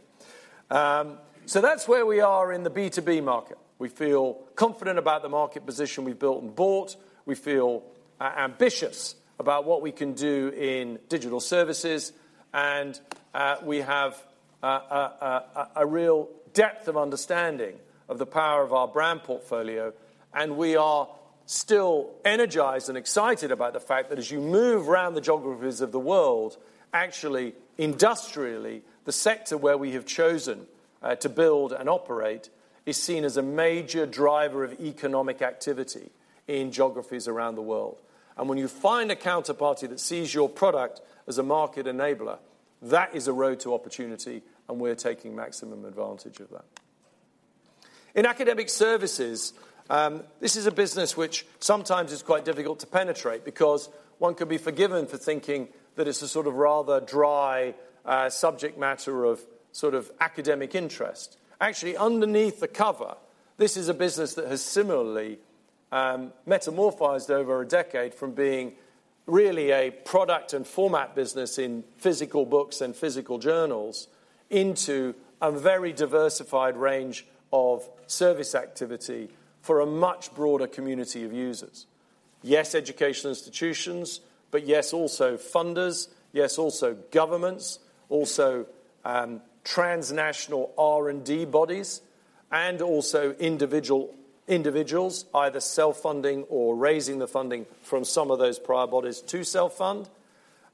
So that's where we are in the B2B market. We feel confident about the market position we've built and bought. We feel ambitious about what we can do in digital services. And we have a real depth of understanding of the power of our brand portfolio. And we are still energized and excited about the fact that, as you move around the geographies of the world, actually, industrially, the sector where we have chosen to build and operate is seen as a major driver of economic activity in geographies around the world. And when you find a counterparty that sees your product as a market enabler, that is a road to opportunity. And we're taking maximum advantage of that. In academic services, this is a business which sometimes is quite difficult to penetrate because one could be forgiven for thinking that it's a sort of rather dry subject matter of sort of academic interest. Actually, underneath the cover, this is a business that has similarly metamorphosed over a decade from being really a product and format business in physical books and physical journals into a very diversified range of service activity for a much broader community of users. Yes, educational institutions. But yes, also funders. Yes, also governments. Also, transnational R&D bodies. And also individual individuals, either self-funding or raising the funding from some of those prior bodies to self-fund.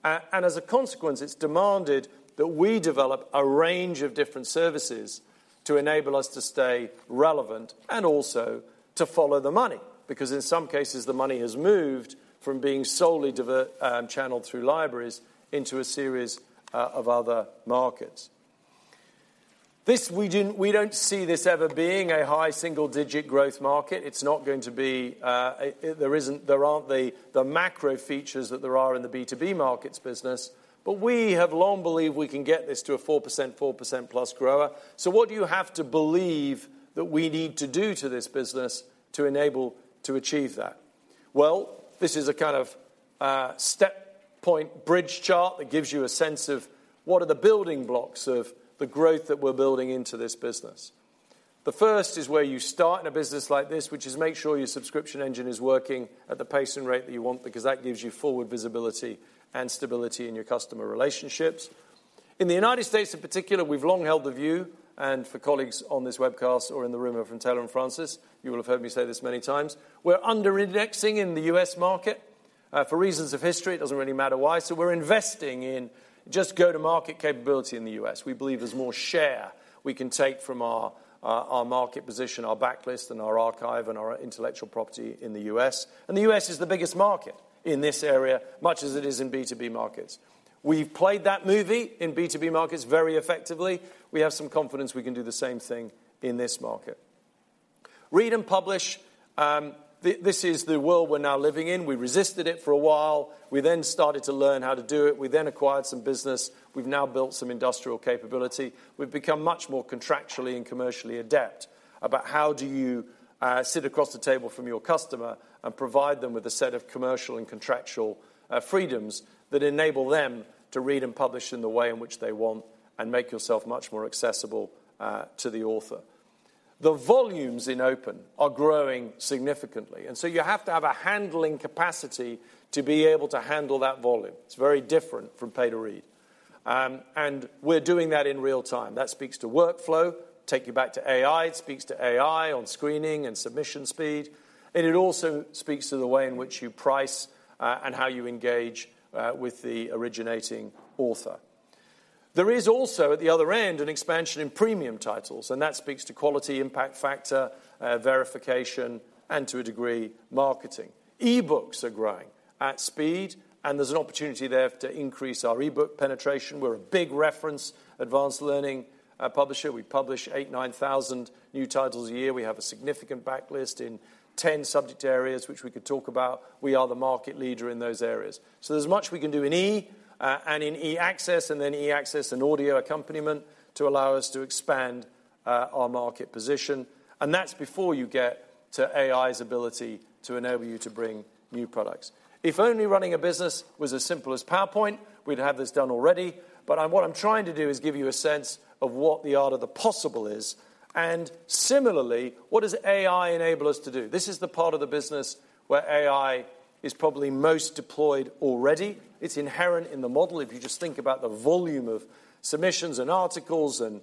As a consequence, it's demanded that we develop a range of different services to enable us to stay relevant and also to follow the money because, in some cases, the money has moved from being solely channeled through libraries into a series of other markets. We don't see this ever being a high single-digit growth market. It's not going to be. There aren't the macro features that there are in the B2B markets business. But we have long believed we can get this to a 4%, 4%-plus grower. So what do you have to believe that we need to do to this business to enable to achieve that? Well, this is a kind of step-point bridge chart that gives you a sense of, what are the building blocks of the growth that we're building into this business? The first is where you start in a business like this, which is make sure your subscription engine is working at the pace and rate that you want because that gives you forward visibility and stability in your customer relationships. In the United States, in particular, we've long held the view and for colleagues on this webcast or in the room from Taylor & Francis, you will have heard me say this many times, we're underindexing in the U.S. market for reasons of history. It doesn't really matter why. So we're investing in just go-to-market capability in the U.S. We believe there's more share we can take from our market position, our backlist, and our archive and our intellectual property in the U.S. And the U.S. is the biggest market in this area, much as it is in B2B markets. We've played that movie in B2B markets very effectively. We have some confidence we can do the same thing in this market. Read and Publish. This is the world we're now living in. We resisted it for a while. We then started to learn how to do it. We then acquired some business. We've now built some industrial capability. We've become much more contractually and commercially adept about, how do you sit across the table from your customer and provide them with a set of commercial and contractual freedoms that enable them to read and publish in the way in which they want and make yourself much more accessible to the author? The volumes in Open are growing significantly. And so you have to have a handling capacity to be able to handle that volume. It's very different from Pay-to-Read. And we're doing that in real time. That speaks to workflow. Take you back to AI. It speaks to AI on screening and submission speed. It also speaks to the way in which you price and how you engage with the originating author. There is also, at the other end, an expansion in premium titles. That speaks to quality, impact factor, verification, and to a degree, marketing. E-books are growing at speed. There's an opportunity there to increase our e-book penetration. We're a big reference advanced learning publisher. We publish 8,000-9,000 new titles a year. We have a significant backlist in 10 subject areas, which we could talk about. We are the market leader in those areas. There's much we can do in E and in E access and then E access and audio accompaniment to allow us to expand our market position. That's before you get to AI's ability to enable you to bring new products. If only running a business was as simple as PowerPoint, we'd have this done already. But what I'm trying to do is give you a sense of what the art of the possible is. And similarly, what does AI enable us to do? This is the part of the business where AI is probably most deployed already. It's inherent in the model. If you just think about the volume of submissions and articles and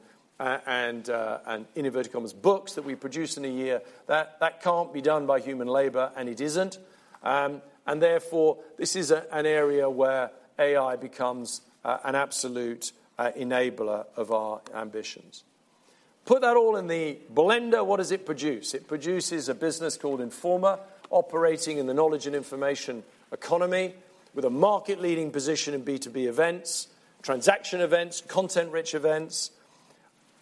books that we produce in a year, that can't be done by human labor. And it isn't. And therefore, this is an area where AI becomes an absolute enabler of our ambitions. Put that all in the blender, what does it produce? It produces a business called Informa operating in the knowledge and information economy with a market-leading position in B2B events, transaction events, content-rich events,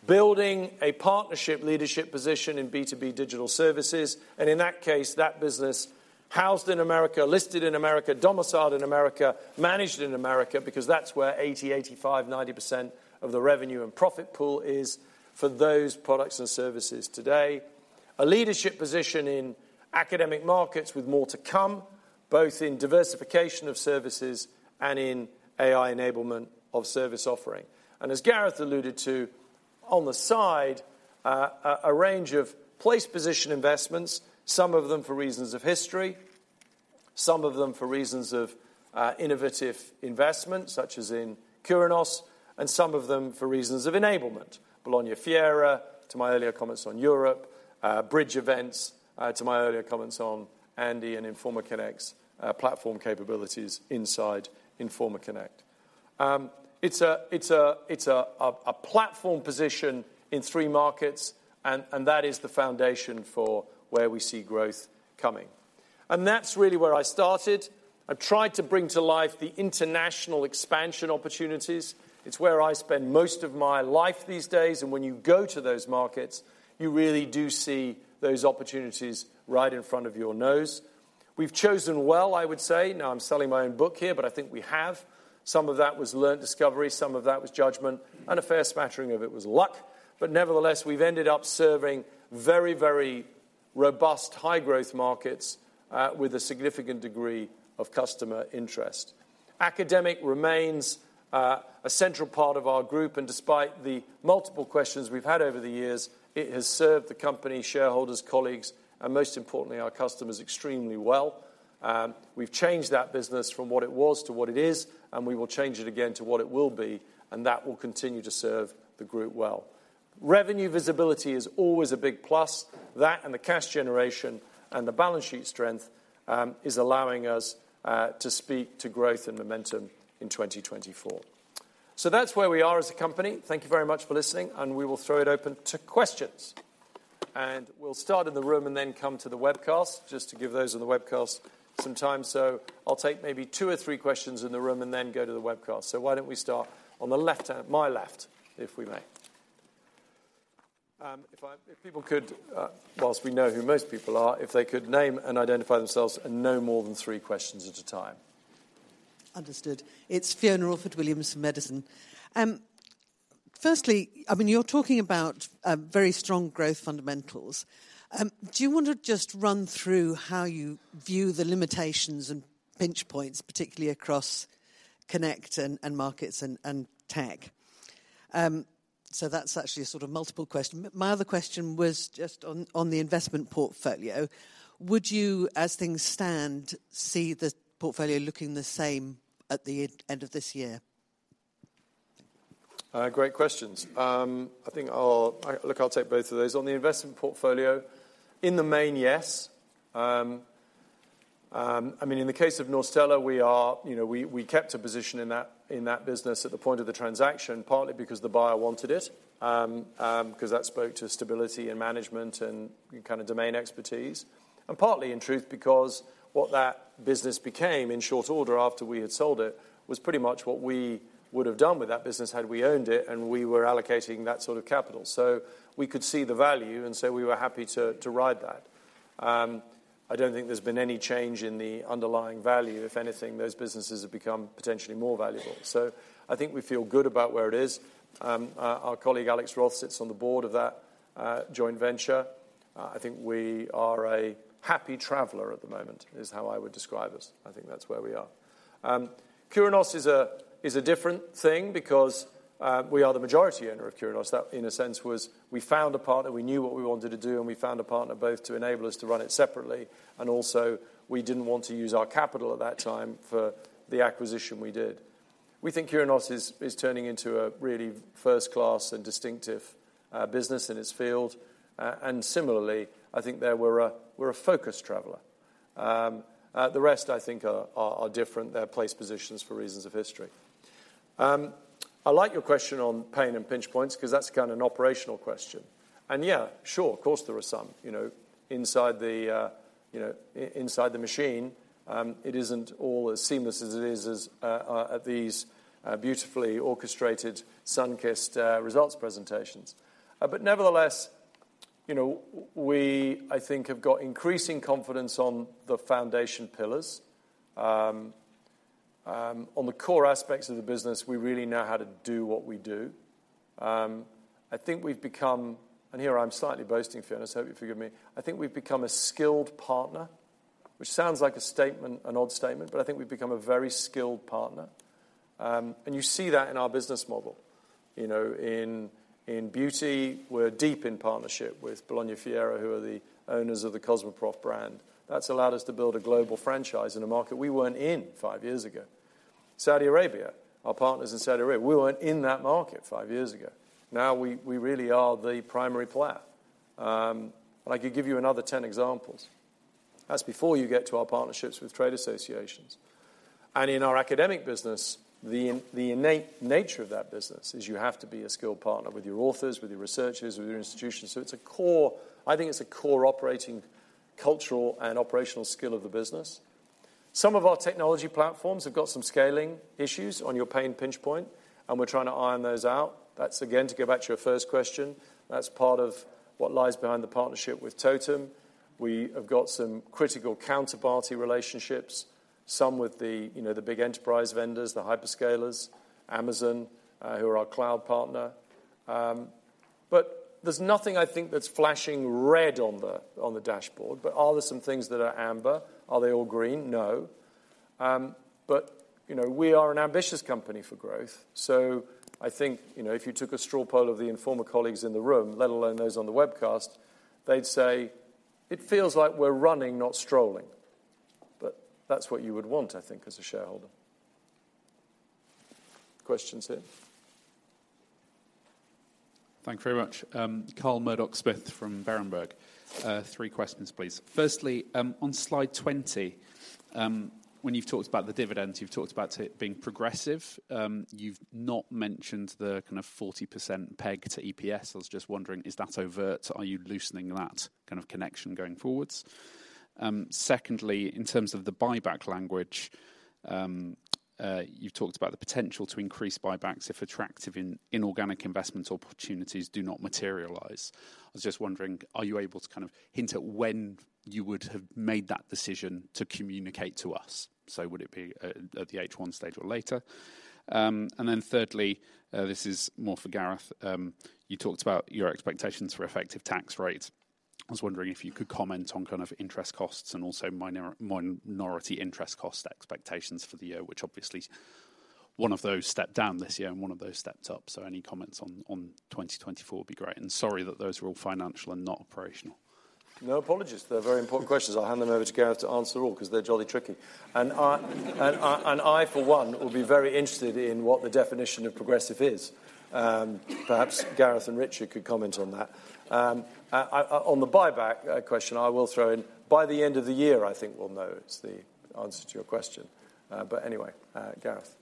building a partnership leadership position in B2B digital services. In that case, that business, housed in America, listed in America, domiciled in America, managed in America because that's where 80%, 85%, 90% of the revenue and profit pool is for those products and services today, a leadership position in academic markets with more to come, both in diversification of services and in AI enablement of service offering. As Gareth alluded to, on the side, a range of platform-position investments, some of them for reasons of history, some of them for reasons of innovative investments, such as in Curinos, and some of them for reasons of enablement, BolognaFiere, to my earlier comments on Europe, bridge events, to my earlier comments on Andy and InformaConnect's platform capabilities inside InformaConnect. It's a platform position in three markets. That is the foundation for where we see growth coming. That's really where I started. I've tried to bring to life the international expansion opportunities. It's where I spend most of my life these days. When you go to those markets, you really do see those opportunities right in front of your nose. We've chosen well, I would say. Now, I'm selling my own book here. But I think we have. Some of that was learned discovery. Some of that was judgment. A fair smattering of it was luck. But nevertheless, we've ended up serving very, very robust, high-growth markets with a significant degree of customer interest. Academic remains a central part of our group. Despite the multiple questions we've had over the years, it has served the company, shareholders, colleagues, and most importantly, our customers extremely well. We've changed that business from what it was to what it is. We will change it again to what it will be. That will continue to serve the group well. Revenue visibility is always a big plus. That and the cash generation and the balance sheet strength is allowing us to speak to growth and momentum in 2024. That's where we are as a company. Thank you very much for listening. We will throw it open to questions. We'll start in the room and then come to the webcast just to give those in the webcast some time. I'll take maybe two or three questions in the room and then go to the webcast. Why don't we start on the left-hand, my left, if we may? If people could, while we know who most people are, if they could name and identify themselves and no more than three questions at a time. Understood. It's Fiona Orford-Williams from Edison. Firstly, I mean, you're talking about very strong growth fundamentals. Do you want to just run through how you view the limitations and pinch points, particularly across Connect and markets and tech? So that's actually a sort of multiple question. My other question was just on the investment portfolio. Would you, as things stand, see the portfolio looking the same at the end of this year? Great questions. I think I'll look, I'll take both of those. On the investment portfolio, in the main, yes. I mean, in the case of Norstella, we kept a position in that business at the point of the transaction, partly because the buyer wanted it because that spoke to stability and management and kind of domain expertise, and partly, in truth, because what that business became in short order after we had sold it was pretty much what we would have done with that business had we owned it. And we were allocating that sort of capital. So we could see the value. And so we were happy to ride that. I don't think there's been any change in the underlying value. If anything, those businesses have become potentially more valuable. So I think we feel good about where it is. Our colleague Alex Roth sits on the board of that joint venture. I think we are a happy traveler at the moment is how I would describe us. I think that's where we are. Curinos is a different thing because we are the majority owner of Curinos. That, in a sense, was we found a partner. We knew what we wanted to do. And we found a partner both to enable us to run it separately. And also, we didn't want to use our capital at that time for the acquisition we did. We think Curinos is turning into a really first-class and distinctive business in its field. And similarly, I think we're a focused traveler. The rest, I think, are different. They're place positions for reasons of history. I like your question on pain and pinch points because that's kind of an operational question. Yeah, sure, of course, there are some. Inside the machine, it isn't all as seamless as it is at these beautifully orchestrated sun-kissed results presentations. But nevertheless, we, I think, have got increasing confidence on the foundation pillars. On the core aspects of the business, we really know how to do what we do. I think we've become and here, I'm slightly boasting, Fiona. I hope you forgive me. I think we've become a skilled partner, which sounds like a statement, an odd statement. But I think we've become a very skilled partner. And you see that in our business model. In beauty, we're deep in partnership with BolognaFiere, who are the owners of the Cosmoprof brand. That's allowed us to build a global franchise in a market we weren't in five years ago. Saudi Arabia, our partners in Saudi Arabia, we weren't in that market five years ago. Now, we really are the primary player. And I could give you another 10 examples. That's before you get to our partnerships with trade associations. And in our academic business, the innate nature of that business is you have to be a skilled partner with your authors, with your researchers, with your institutions. So it's a core I think it's a core operating cultural and operational skill of the business. Some of our technology platforms have got some scaling issues on your pain point. And we're trying to iron those out. That's, again, to go back to your first question. That's part of what lies behind the partnership with Totem. We have got some critical counterparty relationships, some with the big enterprise vendors, the hyperscalers, Amazon, who are our cloud partner. But there's nothing, I think, that's flashing red on the dashboard. But are there some things that are amber? Are they all green? No. But we are an ambitious company for growth. So I think if you took a straw poll of the Informa colleagues in the room, let alone those on the webcast, they'd say, it feels like we're running, not strolling. But that's what you would want, I think, as a shareholder. Questions here? Thanks very much. Carl Murdoch-Smith from Berenberg. Three questions, please. Firstly, on slide 20, when you've talked about the dividend, you've talked about it being progressive. You've not mentioned the kind of 40% PEG to EPS. I was just wondering, is that overt? Are you loosening that kind of connection going forwards? Secondly, in terms of the buyback language, you've talked about the potential to increase buybacks if attractive inorganic investment opportunities do not materialize. I was just wondering, are you able to kind of hint at when you would have made that decision to communicate to us? So would it be at the H1 stage or later? And then thirdly, this is more for Gareth, you talked about your expectations for effective tax rates. I was wondering if you could comment on kind of interest costs and also minority interest cost expectations for the year, which obviously one of those stepped down this year and one of those stepped up. Any comments on 2024 would be great. Sorry that those were all financial and not operational. No apologies. They're very important questions. I'll hand them over to Gareth to answer all because they're jolly tricky. I, for one, would be very interested in what the definition of progressive is. Perhaps Gareth and Richard could comment on that. On the buyback question, I will throw in, by the end of the year, I think we'll know. It's the answer to your question. Anyway, Gareth.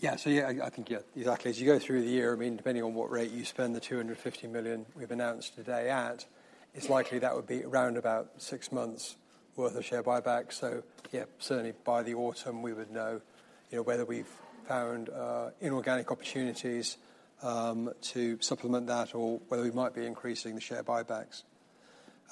Yeah. So yeah, I think yeah, exactly. As you go through the year, I mean, depending on what rate you spend the $250 million we've announced today at, it's likely that would be around about six months' worth of share buybacks. So yeah, certainly, by the autumn, we would know whether we've found inorganic opportunities to supplement that or whether we might be increasing the share buybacks.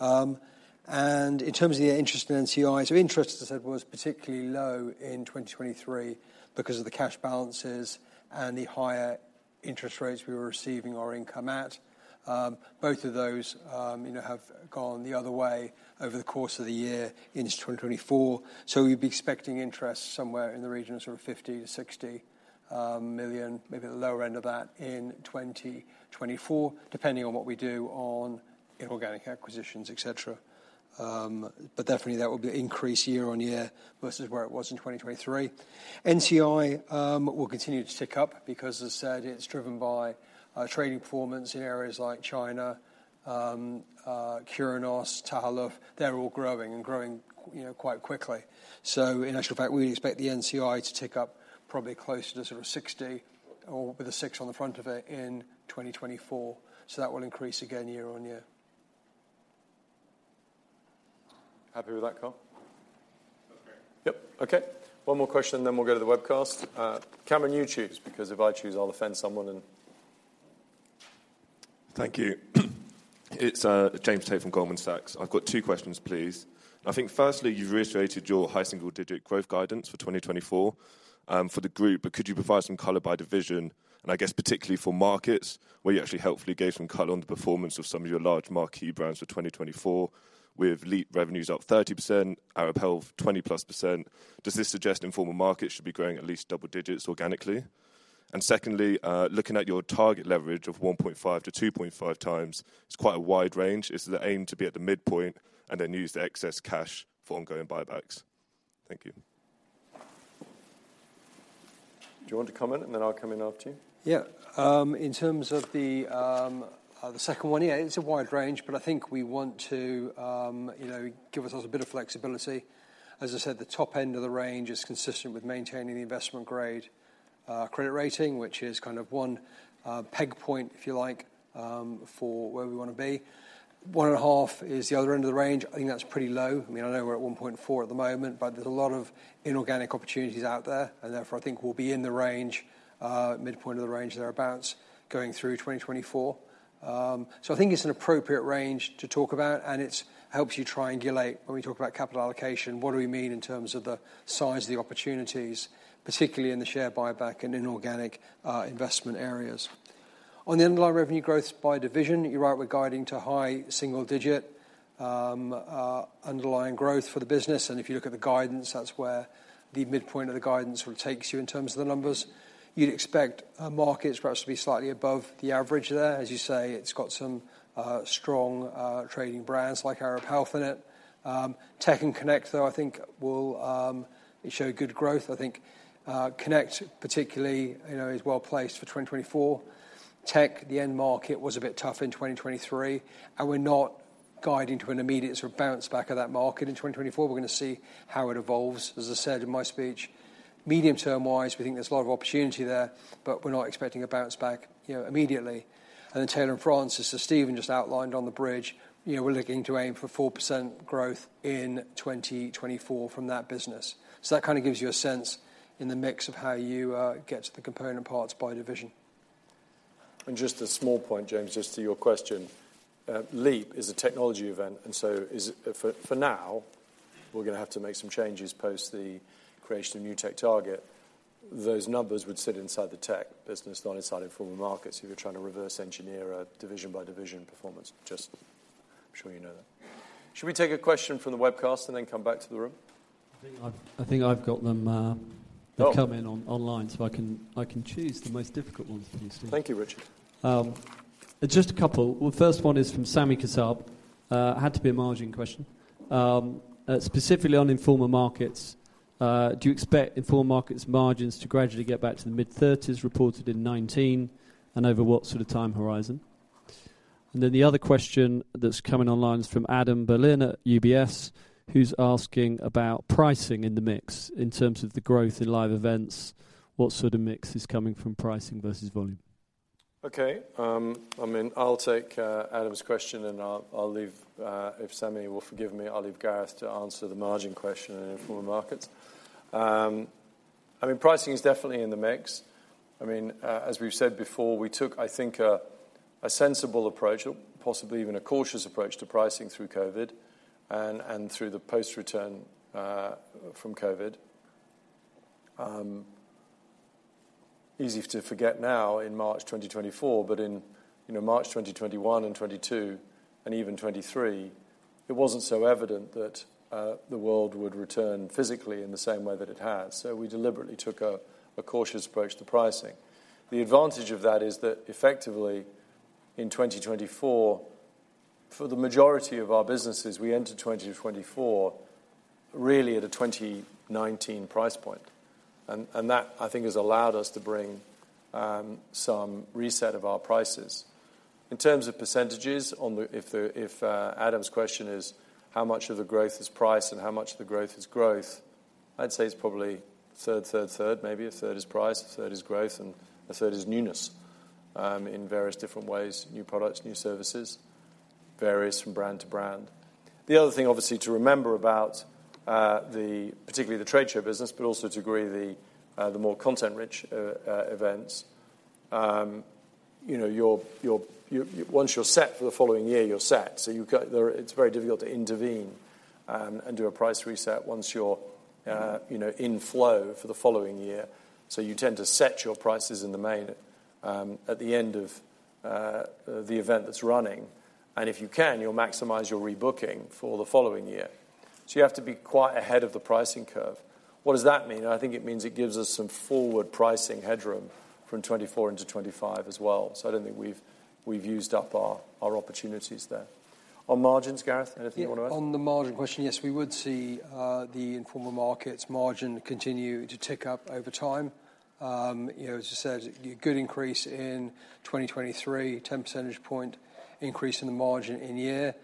In terms of the interest in NCI, so interest, as I said, was particularly low in 2023 because of the cash balances and the higher interest rates we were receiving our income at. Both of those have gone the other way over the course of the year into 2024. So we'd be expecting interest somewhere in the region of sort of $50 million-$60 million, maybe at the lower end of that, in 2024, depending on what we do on inorganic acquisitions, et cetera. But definitely, that will be an increase year-on-year versus where it was in 2023. NCI will continue to tick up because, as I said, it's driven by trading performance in areas like China, Curinos, Tahaluf. They're all growing and growing quite quickly. So in actual fact, we'd expect the NCI to tick up probably closer to sort of $60 million or with a $6 on the front of it in 2024. So that will increase again year-on-year. Happy with that, Carl? That's great. Yep. OK. One more question, and then we'll go to the webcast. Cameron, you choose. Because if I choose, I'll offend someone. Thank you. It's James Tate from Goldman Sachs. I've got two questions, please. I think, firstly, you've reiterated your high single-digit growth guidance for 2024 for the group. But could you provide some color by division? And I guess, particularly for markets, where you actually hopefully gave some color on the performance of some of your large marquee brands for 2024, with LEAP revenues up 30%, Arab Health 20%+ percent. Does this suggest Informa Markets should be growing at least double digits organically? And secondly, looking at your target leverage of 1.5-2.5 times, it's quite a wide range. Is the aim to be at the midpoint and then use the excess cash for ongoing buybacks? Thank you. Do you want to comment? And then I'll come in after you. Yeah. In terms of the second one, yeah, it's a wide range. But I think we want to give ourselves a bit of flexibility. As I said, the top end of the range is consistent with maintaining the investment-grade credit rating, which is kind of one peg point, if you like, for where we want to be. 1.5 is the other end of the range. I think that's pretty low. I mean, I know we're at 1.4 at the moment. But there's a lot of inorganic opportunities out there. And therefore, I think we'll be in the range, midpoint of the range thereabouts, going through 2024. So I think it's an appropriate range to talk about. And it helps you triangulate, when we talk about capital allocation, what do we mean in terms of the size of the opportunities, particularly in the share buyback and inorganic investment areas. On the underlying revenue growth by division, you're right. We're guiding to high single-digit underlying growth for the business. And if you look at the guidance, that's where the midpoint of the guidance sort of takes you in terms of the numbers. You'd expect markets perhaps to be slightly above the average there. As you say, it's got some strong trading brands like Arab Health in it. Tech and Connect, though, I think will show good growth. I think Connect, particularly, is well placed for 2024. Tech, the end market, was a bit tough in 2023. And we're not guiding to an immediate sort of bounce back of that market in 2024. We're going to see how it evolves. As I said in my speech, medium-term-wise, we think there's a lot of opportunity there. But we're not expecting a bounce back immediately. Then Taylor & Francis, as Stephen just outlined on the bridge, we're looking to aim for 4% growth in 2024 from that business. So that kind of gives you a sense in the mix of how you get to the component parts by division. Just a small point, James, just to your question. LEAP is a technology event. And so for now, we're going to have to make some changes post the creation of new TechTarget. Those numbers would sit inside the tech business, not inside Informa Markets. So if you're trying to reverse engineer a division-by-division performance, just I'm sure you know that. Should we take a question from the webcast and then come back to the room? I think I've got them to come in online. So I can choose the most difficult ones for you, Steve. Thank you, Richard. Just a couple. Well, the first one is from Sami Kassab. Had to be a margin question. Specifically on Informa Markets, do you expect Informa Markets' margins to gradually get back to the mid-30s%, reported in 2019, and over what sort of time horizon? And then the other question that's coming online is from Adam Berlin at UBS, who's asking about pricing in the mix in terms of the growth in live events. What sort of mix is coming from pricing versus volume? OK. I mean, I'll take Adam's question. And I'll leave, if Sami will forgive me, I'll leave Gareth to answer the margin question on Informa Markets. I mean, pricing is definitely in the mix. I mean, as we've said before, we took, I think, a sensible approach, possibly even a cautious approach, to pricing through COVID and through the post-return from COVID. Easy to forget now in March 2024. But in March 2021 and 2022 and even 2023, it wasn't so evident that the world would return physically in the same way that it has. So we deliberately took a cautious approach to pricing. The advantage of that is that, effectively, in 2024, for the majority of our businesses, we entered 2024 really at a 2019 price point. And that, I think, has allowed us to bring some reset of our prices. In terms of percentages, if Adam's question is how much of the growth is price and how much of the growth is growth, I'd say it's probably third, third, third. Maybe a third is price. A third is growth. And a third is newness in various different ways, new products, new services, various from brand to brand. The other thing, obviously, to remember about particularly the trade show business, but also to agree, the more content-rich events, once you're set for the following year, you're set. So it's very difficult to intervene and do a price reset once you're in flow for the following year. So you tend to set your prices in the main at the end of the event that's running. And if you can, you'll maximize your rebooking for the following year. So you have to be quite ahead of the pricing curve. What does that mean? I think it means it gives us some forward pricing headroom from 2024 into 2025 as well. So I don't think we've used up our opportunities there. On margins, Gareth, anything you want to add? Yeah. On the margin question, yes, we would see the Informa Markets' margin continue to tick up over time. As I said, a good increase in 2023, 10 percentage-point increase in the margin in year.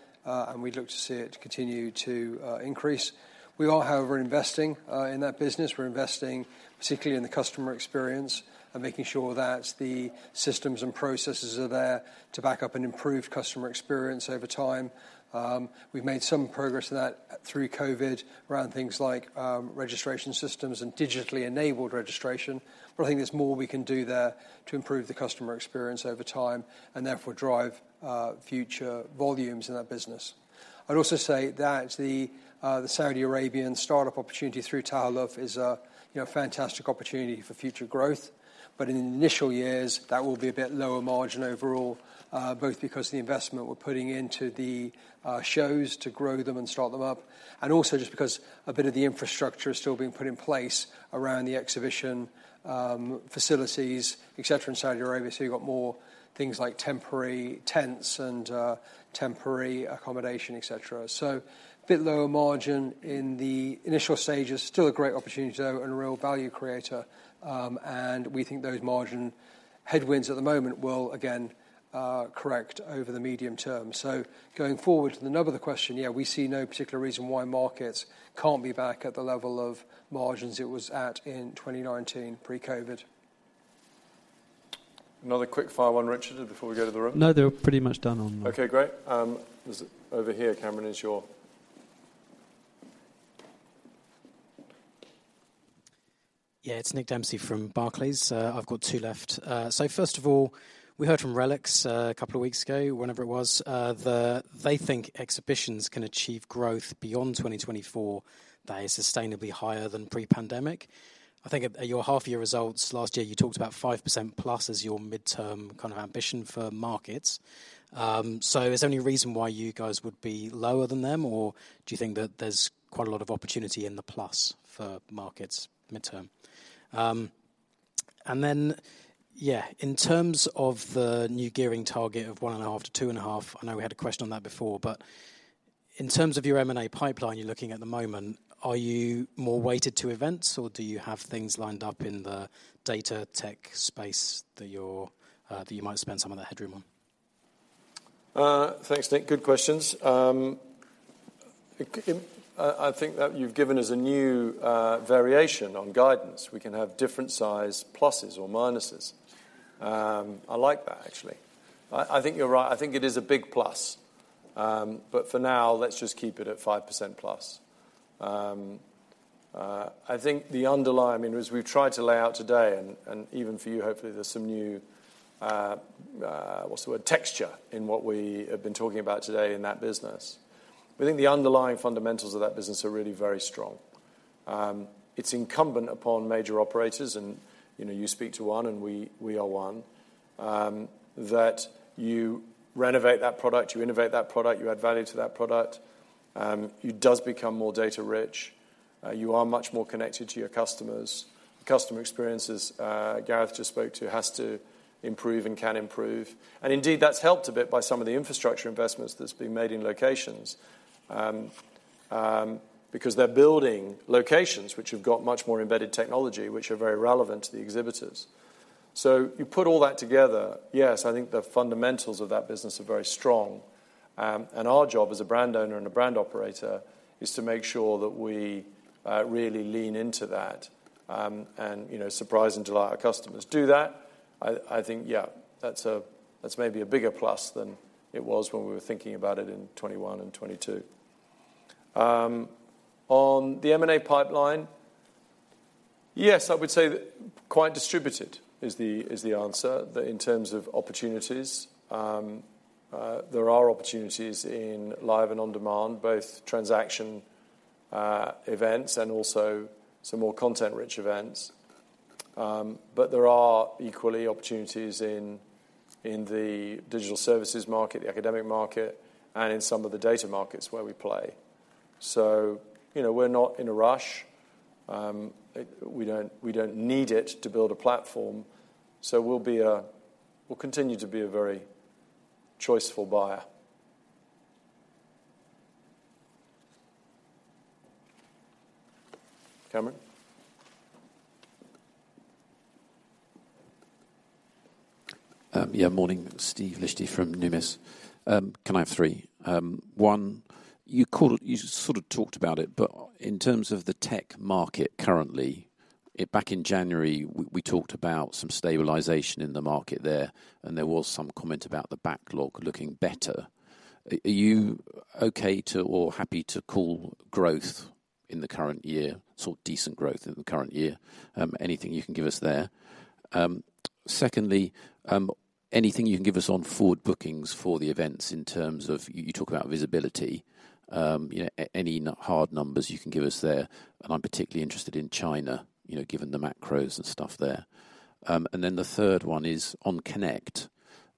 We'd look to see it continue to increase. We are, however, investing in that business. We're investing particularly in the customer experience and making sure that the systems and processes are there to back up and improve customer experience over time. We've made some progress in that through COVID around things like registration systems and digitally-enabled registration. But I think there's more we can do there to improve the customer experience over time and therefore drive future volumes in that business. I'd also say that the Saudi Arabian startup opportunity through Tahaluf is a fantastic opportunity for future growth. But in the initial years, that will be a bit lower margin overall, both because of the investment we're putting into the shows to grow them and start them up and also just because a bit of the infrastructure is still being put in place around the exhibition facilities, et cetera, in Saudi Arabia. So you've got more things like temporary tents and temporary accommodation, et cetera. So a bit lower margin in the initial stages. Still a great opportunity, though, and a real value creator. And we think those margin headwinds at the moment will, again, correct over the medium term. So going forward to the number of the question, yeah, we see no particular reason why markets can't be back at the level of margins it was at in 2019 pre-COVID. Another quick fire one, Richard, before we go to the room? No, they're pretty much done on. OK, great. Over here, Cameron, is your. Yeah. It's Nick Dempsey from Barclays. I've got two left. So first of all, we heard from RELX a couple of weeks ago, whenever it was, that they think exhibitions can achieve growth beyond 2024 that is sustainably higher than pre-pandemic. I think at your half-year results last year, you talked about 5%+ as your midterm kind of ambition for markets. So is there any reason why you guys would be lower than them? Or do you think that there's quite a lot of opportunity in the plus for markets midterm? And then, yeah, in terms of the new gearing target of 1.5-2.5, I know we had a question on that before. But in terms of your M&A pipeline you're looking at at the moment, are you more weighted to events? Or do you have things lined up in the data tech space that you might spend some of that headroom on? Thanks, Nick. Good questions. I think that you've given us a new variation on guidance. We can have different size pluses or minuses. I like that, actually. I think you're right. I think it is a big plus. But for now, let's just keep it at 5% plus. I think the underlying, I mean, as we've tried to lay out today and even for you, hopefully, there's some new, what's the word? Texture in what we have been talking about today in that business. We think the underlying fundamentals of that business are really very strong. It's incumbent upon major operators, and you speak to one, and we are one, that you renovate that product, you innovate that product, you add value to that product. It does become more data-rich. You are much more connected to your customers. The customer experiences Gareth just spoke to has to improve and can improve. And indeed, that's helped a bit by some of the infrastructure investments that's been made in locations because they're building locations which have got much more embedded technology, which are very relevant to the exhibitors. So you put all that together, yes, I think the fundamentals of that business are very strong. And our job as a brand owner and a brand operator is to make sure that we really lean into that and surprise and delight our customers. Do that, I think, yeah, that's maybe a bigger plus than it was when we were thinking about it in 2021 and 2022. On the M&A pipeline, yes, I would say quite distributed is the answer in terms of opportunities. There are opportunities in live and on demand, both transaction events and also some more content-rich events. But there are equally opportunities in the digital services market, the academic market, and in some of the data markets where we play. So we're not in a rush. We don't need it to build a platform. So we'll continue to be a very choiceful buyer. Cameron? Yeah. Morning, Steve Liechti from Numis. Can I have 3? One, you sort of talked about it. But in terms of the tech market currently, back in January, we talked about some stabilization in the market there. And there was some comment about the backlog looking better. Are you OK or happy to call growth in the current year, sort of decent growth in the current year? Anything you can give us there. Secondly, anything you can give us on forward bookings for the events in terms of you talk about visibility. Any hard numbers you can give us there. And I'm particularly interested in China, given the macros and stuff there. And then the third one is on Connect.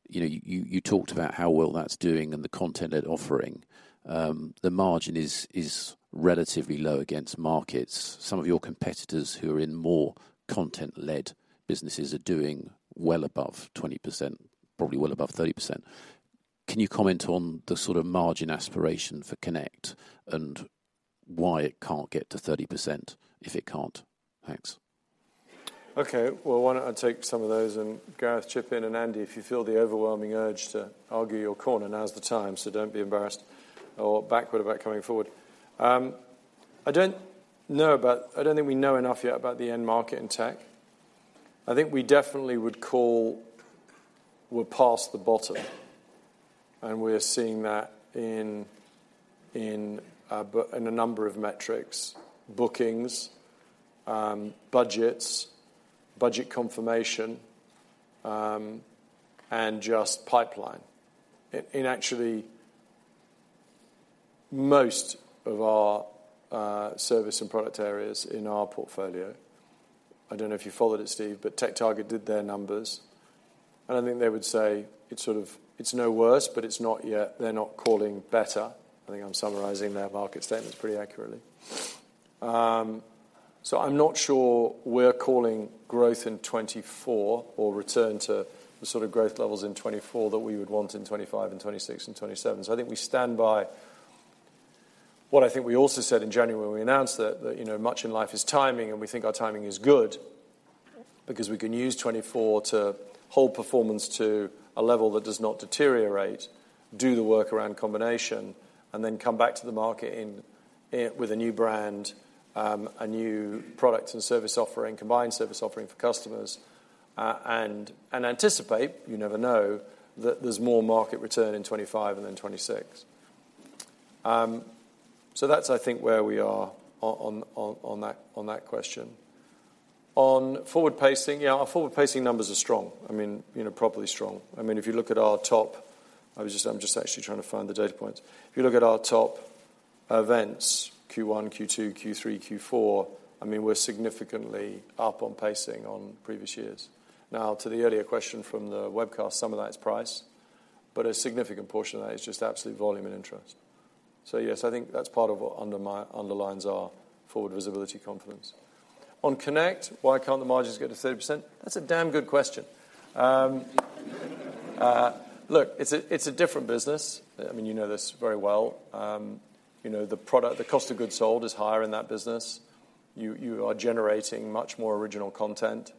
You talked about how well that's doing and the content it's offering. The margin is relatively low against markets. Some of your competitors who are in more content-led businesses are doing well above 20%, probably well above 30%. Can you comment on the sort of margin aspiration for Connect and why it can't get to 30% if it can't? Thanks. OK. Well, I want to take some of those. And Gareth, chip in. And Andy, if you feel the overwhelming urge to argue your corner, now's the time. So don't be embarrassed or backward about coming forward. I don't know about—I don't think we know enough yet about the end market in tech. I think we definitely would call we're past the bottom. And we're seeing that in a number of metrics: bookings, budgets, budget confirmation, and just pipeline. In actually most of our service and product areas in our portfolio I don't know if you followed it, Steve. But TechTarget did their numbers. And I think they would say it's sort of no worse. But it's not yet—they're not calling better. I think I'm summarizing their market statements pretty accurately. So I'm not sure we're calling growth in 2024 or return to the sort of growth levels in 2024 that we would want in 2025 and 2026 and 2027. So I think we stand by what I think we also said in January when we announced that much in life is timing. And we think our timing is good because we can use 2024 to hold performance to a level that does not deteriorate, do the work around combination, and then come back to the market with a new brand, a new product and service offering, combined service offering for customers, and anticipate you never know that there's more market return in 2025 and then 2026. So that's, I think, where we are on that question. On forward pacing, yeah, our forward pacing numbers are strong, I mean, properly strong. I mean, if you look at our top. I'm just actually trying to find the data points. If you look at our top events, Q1, Q2, Q3, Q4, I mean, we're significantly up on pacing on previous years. Now, to the earlier question from the webcast, some of that is price. But a significant portion of that is just absolute volume and interest. So yes, I think that's part of what underlines our forward visibility confidence. On Connect, why can't the margins get to 30%? That's a damn good question. Look, it's a different business. I mean, you know this very well. The cost of goods sold is higher in that business. You are generating much more original content.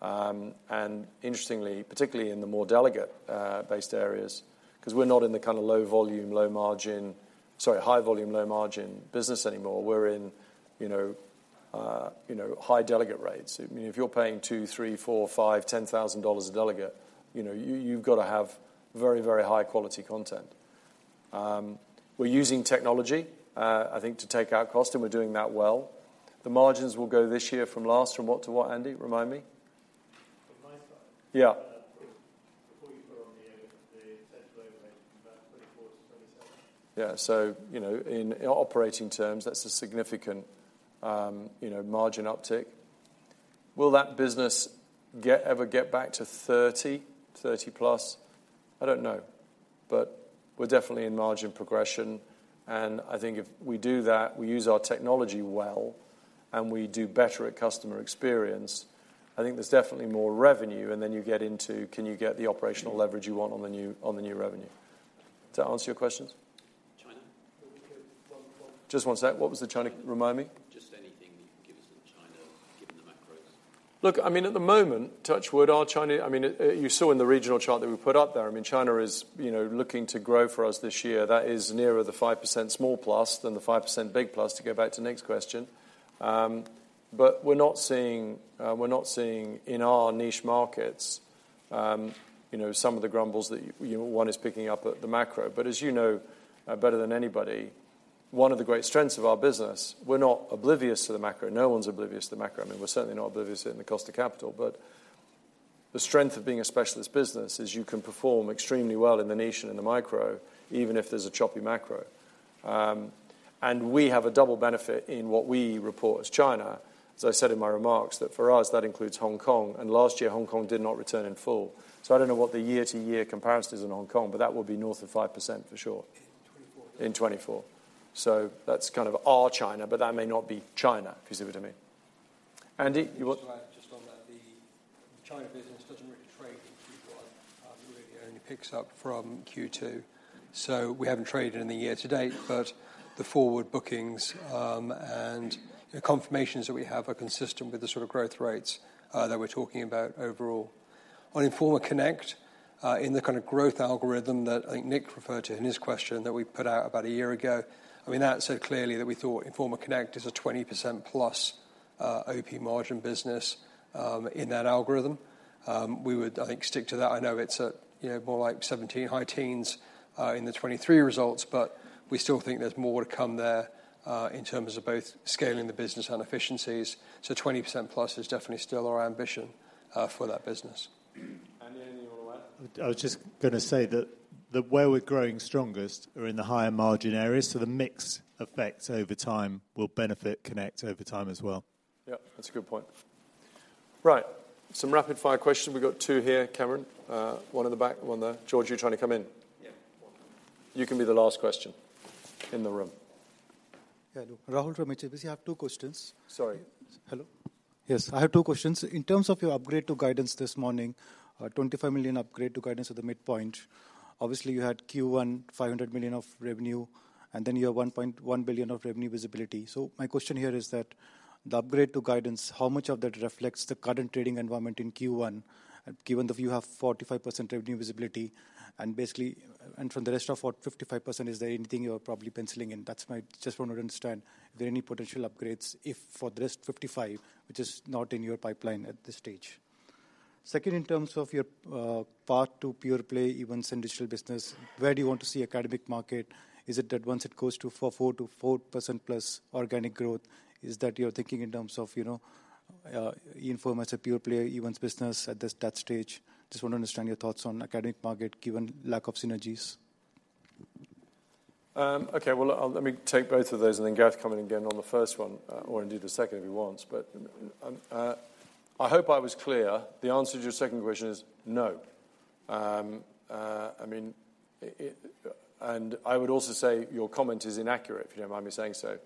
And interestingly, particularly in the more delegate-based areas because we're not in the kind of low volume, low margin sorry, high volume, low margin business anymore. We're in high delegate rates. I mean, if you're paying $2,000, $3,000, $4,000, $5,000, $10,000 a delegate, you've got to have very, very high-quality content. We're using technology, I think, to take out cost. And we're doing that well. The margins will go this year from last from what to what, Andy? Remind me. From my side. Yeah. Before you put on the potential overhead from 2024 to 2027? Yeah. So in operating terms, that's a significant margin uptick. Will that business ever get back to 30, 30+? I don't know. But we're definitely in margin progression. And I think if we do that, we use our technology well, and we do better at customer experience, I think there's definitely more revenue. And then you get into, can you get the operational leverage you want on the new revenue? Does that answer your questions? China? Just one sec. What was the China? Remind me. Just anything that you can give us in China, given the macros? Look, I mean, at the moment, touch wood, our China—I mean, you saw in the regional chart that we put up there. I mean, China is looking to grow for us this year. That is nearer the 5% small plus than the 5% big plus. To go back to Nick's question, but we're not seeing in our niche markets some of the grumbles that one is picking up at the macro. But as you know better than anybody, one of the great strengths of our business we're not oblivious to the macro. No one's oblivious to the macro. I mean, we're certainly not oblivious to it in the cost of capital. But the strength of being a specialist business is you can perform extremely well in the niche and in the micro, even if there's a choppy macro. We have a double benefit in what we report as China. As I said in my remarks, that for us, that includes Hong Kong. Last year, Hong Kong did not return in full. I don't know what the year-to-year comparison is in Hong Kong. That will be north of 5% for sure. In 2024? In 2024. So that's kind of our China. But that may not be China, if you see what I mean. Andy. Just on that, the China business doesn't really trade in 2021. It really only picks up from Q2. So we haven't traded in the year-to-date. But the forward bookings and confirmations that we have are consistent with the sort of growth rates that we're talking about overall. On Informa Connect, in the kind of growth algorithm that I think Nick referred to in his question that we put out about a year ago, I mean, that said clearly that we thought Informa Connect is a 20%+ OP margin business in that algorithm. We would, I think, stick to that. I know it's more like 17 high teens in the 2023 results. But we still think there's more to come there in terms of both scaling the business and efficiencies. So 20%+ is definitely still our ambition for that business. Andy, anything you want to add? I was just going to say that where we're growing strongest are in the higher margin areas. So the mix effects over time will benefit Connect over time as well. Yeah, that's a good point. Right. Some rapid fire questions. We've got two here, Cameron, one in the back, one there. George, are you trying to come in? Yeah. You can be the last question in the room. Yeah. Rahul Sharma, you have two questions. Sorry. Hello? Yes, I have two questions. In terms of your upgrade to guidance this morning, 25 million upgrade to guidance at the midpoint, obviously, you had Q1 500 million of revenue. And then you have 1.1 billion of revenue visibility. So my question here is that the upgrade to guidance, how much of that reflects the current trading environment in Q1, given that you have 45% revenue visibility? And basically, and from the rest of what, 55%? Is there anything you're probably penciling in? That's my just want to understand, are there any potential upgrades if for the rest 55, which is not in your pipeline at this stage? Second, in terms of your path to pure play, events, and digital business, where do you want to see academic market? Is it that once it goes to 4%+ organic growth, is that you're thinking in terms of Informa as a pure player, events business at that stage? Just want to understand your thoughts on academic market, given lack of synergies. OK. Well, let me take both of those. Then Gareth, come in again on the first one or indeed the second if he wants. I hope I was clear. The answer to your second question is no. I mean, and I would also say your comment is inaccurate, if you don't mind me saying so.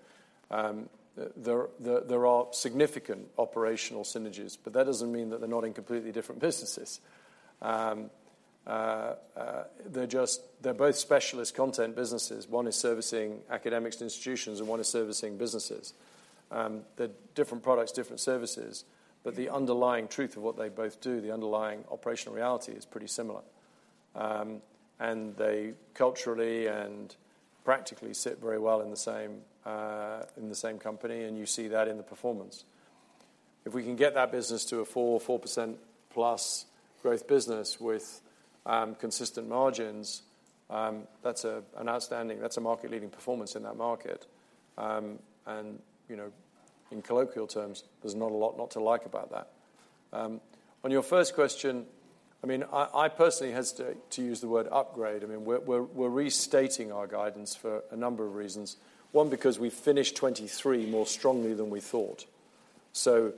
There are significant operational synergies. That doesn't mean that they're not in completely different businesses. They're both specialist content businesses. One is servicing academics and institutions. One is servicing businesses. They're different products, different services. The underlying truth of what they both do, the underlying operational reality, is pretty similar. They culturally and practically sit very well in the same company. You see that in the performance. If we can get that business to a 4%+ growth business with consistent margins, that's an outstanding, that's a market-leading performance in that market. In colloquial terms, there's not a lot not to like about that. On your first question, I mean, I personally hesitate to use the word upgrade. I mean, we're restating our guidance for a number of reasons, one, because we finished 2023 more strongly than we thought. So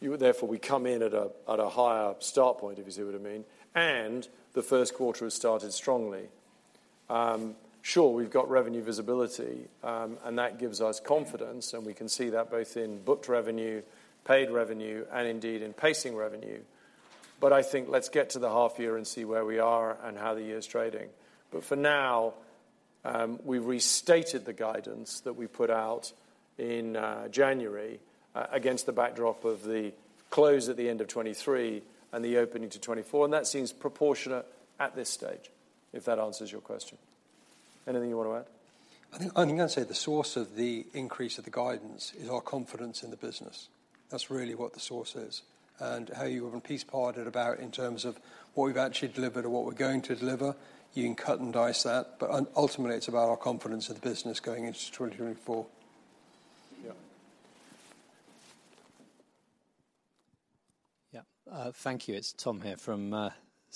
therefore, we come in at a higher start point, if you see what I mean. The first quarter has started strongly. Sure, we've got revenue visibility. And that gives us confidence. And we can see that both in booked revenue, paid revenue, and indeed in pacing revenue. But I think let's get to the half year and see where we are and how the year is trading. But for now, we've restated the guidance that we put out in January against the backdrop of the close at the end of 2023 and the opening to 2024. And that seems proportionate at this stage, if that answers your question. Anything you want to add? I think I'm going to say the source of the increase of the guidance is our confidence in the business. That's really what the source is. How you've been piece-parted about in terms of what we've actually delivered or what we're going to deliver, you can cut and dice that. But ultimately, it's about our confidence in the business going into 2024. Yeah. Yeah, thank you. It's Tom here from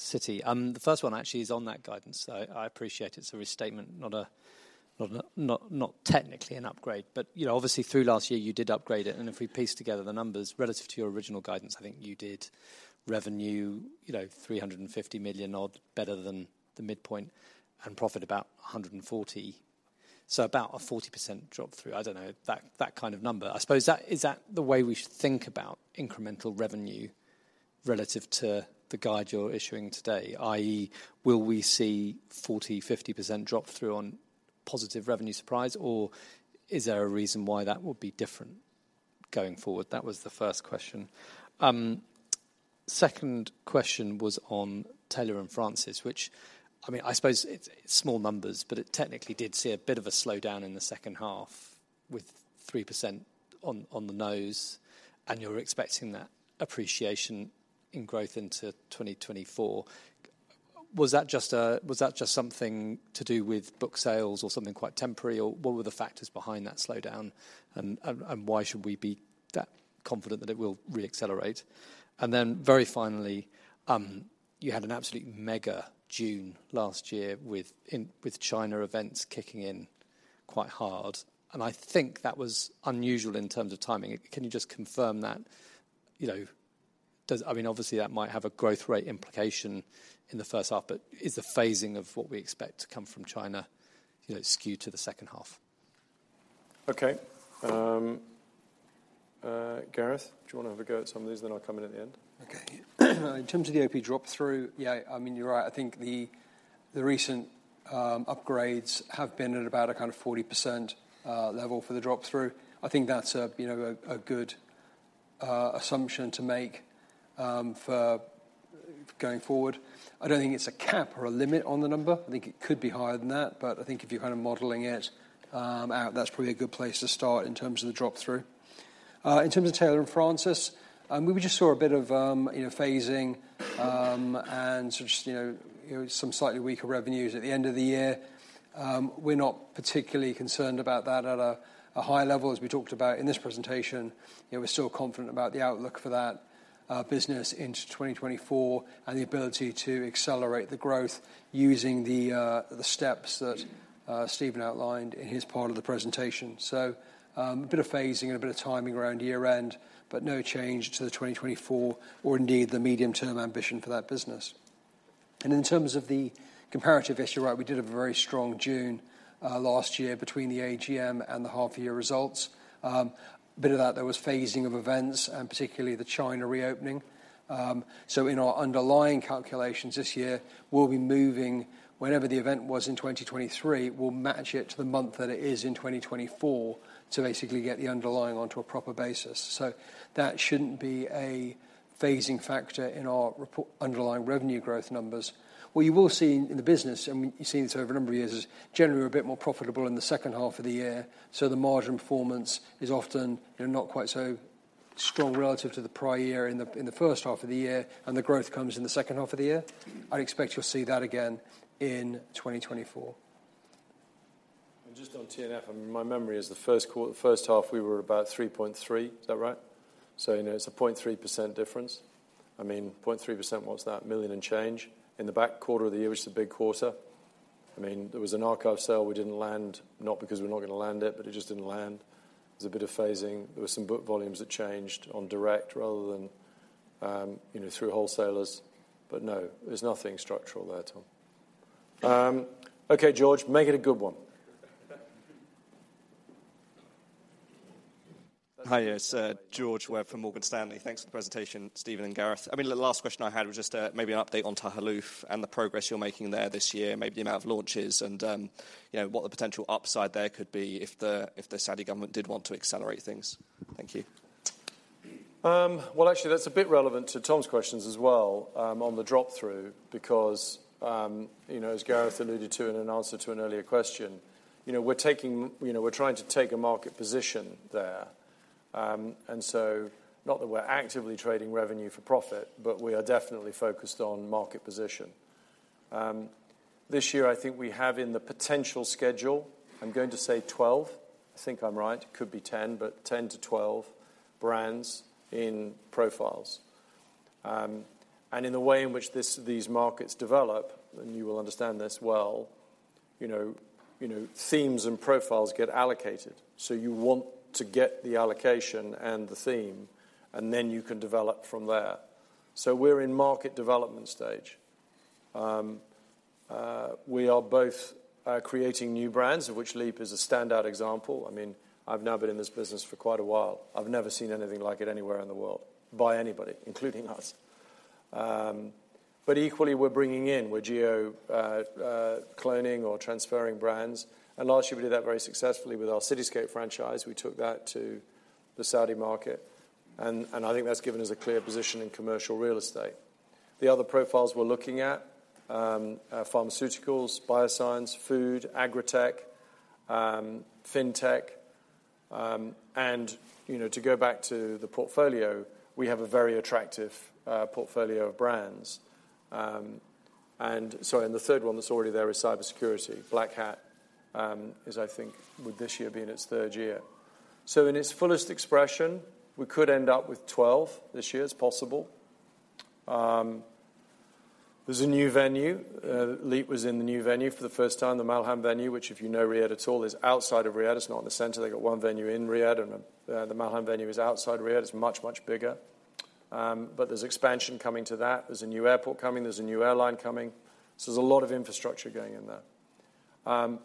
Citi. The first one actually is on that guidance. So I appreciate it's a restatement, not technically an upgrade. But obviously, through last year, you did upgrade it. And if we piece together the numbers relative to your original guidance, I think you did revenue 350 million odd better than the midpoint and profit about 140 million, so about a 40% drop through. I don't know, that kind of number. I suppose is that the way we should think about incremental revenue relative to the guide you're issuing today, i.e., will we see 40%-50% drop through on positive revenue surprise? Or is there a reason why that would be different going forward? That was the first question. Second question was on Taylor & Francis, which I mean, I suppose it's small numbers. But it technically did see a bit of a slowdown in the second half with 3% on the nose. You're expecting that appreciation in growth into 2024. Was that just something to do with book sales or something quite temporary? Or what were the factors behind that slowdown? And why should we be that confident that it will reaccelerate? And then very finally, you had an absolute mega June last year with China events kicking in quite hard. And I think that was unusual in terms of timing. Can you just confirm that? I mean, obviously, that might have a growth rate implication in the first half. But is the phasing of what we expect to come from China skewed to the second half? OK. Gareth, do you want to have a go at some of these? And then I'll come in at the end. OK. In terms of the OP drop through, yeah, I mean, you're right. I think the recent upgrades have been at about a kind of 40% level for the drop through. I think that's a good assumption to make for going forward. I don't think it's a cap or a limit on the number. I think it could be higher than that. But I think if you're kind of modeling it out, that's probably a good place to start in terms of the drop through. In terms of Taylor & Francis, we just saw a bit of phasing and just some slightly weaker revenues at the end of the year. We're not particularly concerned about that at a high level, as we talked about in this presentation. We're still confident about the outlook for that business into 2024 and the ability to accelerate the growth using the steps that Stephen outlined in his part of the presentation. So a bit of phasing and a bit of timing around year-end, but no change to the 2024 or indeed the medium-term ambition for that business. And in terms of the comparative issue, right, we did have a very strong June last year between the AGM and the half-year results. A bit of that, there was phasing of events and particularly the China reopening. So in our underlying calculations this year, whenever the event was in 2023, we'll match it to the month that it is in 2024 to basically get the underlying onto a proper basis. So that shouldn't be a phasing factor in our underlying revenue growth numbers. What you will see in the business, and you've seen this over a number of years, is generally we're a bit more profitable in the second half of the year. So the margin performance is often not quite so strong relative to the prior year in the first half of the year. And the growth comes in the second half of the year. I'd expect you'll see that again in 2024. And just on T&F, I mean, my memory is the first quarter, the first half, we were at about 3.3%. Is that right? So it's a 0.3% difference. I mean, 0.3%, what's that? 1 million and change in the back quarter of the year, which is a big quarter. I mean, there was an archive sale. We didn't land, not because we're not going to land it, but it just didn't land. There was a bit of phasing. There were some book volumes that changed on direct rather than through wholesalers. But no, there's nothing structural there, Tom. OK, George, make it a good one. Hi, yes, George Webb from Morgan Stanley. Thanks for the presentation, Stephen and Gareth. I mean, the last question I had was just maybe an update on Tahaluf and the progress you're making there this year, maybe the amount of launches and what the potential upside there could be if the Saudi government did want to accelerate things. Thank you. Well, actually, that's a bit relevant to Tom's questions as well on the drop through. Because as Gareth alluded to in an answer to an earlier question, we're trying to take a market position there. And so not that we're actively trading revenue for profit. But we are definitely focused on market position. This year, I think we have in the potential schedule, I'm going to say 12. I think I'm right. It could be 10. But 10-12 brands in profiles. And in the way in which these markets develop, and you will understand this well, themes and profiles get allocated. So you want to get the allocation and the theme. And then you can develop from there. So we're in market development stage. We are both creating new brands, of which LEAP is a standout example. I mean, I've now been in this business for quite a while. I've never seen anything like it anywhere in the world by anybody, including us. But equally, we're bringing in, we're geocloning or transferring brands. Last year, we did that very successfully with our Cityscape franchise. We took that to the Saudi market. I think that's given us a clear position in commercial real estate. The other profiles we're looking at are pharmaceuticals, bioscience, food, agritech, fintech. To go back to the portfolio, we have a very attractive portfolio of brands. Sorry, and the third one that's already there is cybersecurity. Black Hat is, I think, would this year be in its third year. So in its fullest expression, we could end up with 12 this year. It's possible. There's a new venue. LEAP was in the new venue for the first time, the Malham venue, which, if you know Riyadh at all, is outside of Riyadh. It's not in the center. They've got one venue in Riyadh. The Malham venue is outside Riyadh. It's much, much bigger. There's expansion coming to that. There's a new airport coming. There's a new airline coming. There's a lot of infrastructure going in there.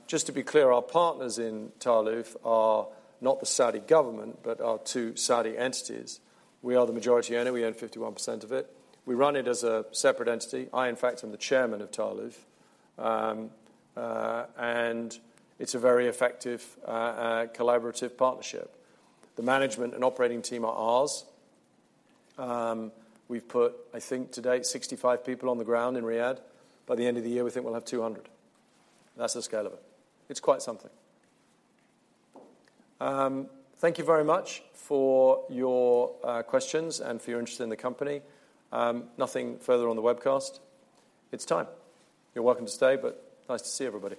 Just to be clear, our partners in Tahaluf are not the Saudi government but are two Saudi entities. We are the majority owner. We own 51% of it. We run it as a separate entity. I, in fact, am the chairman of Tahaluf. It's a very effective collaborative partnership. The management and operating team are ours. We've put, I think, to date, 65 people on the ground in Riyadh. By the end of the year, we think we'll have 200. That's the scale of it. It's quite something. Thank you very much for your questions and for your interest in the company. Nothing further on the webcast. It's time. You're welcome to stay. But nice to see everybody.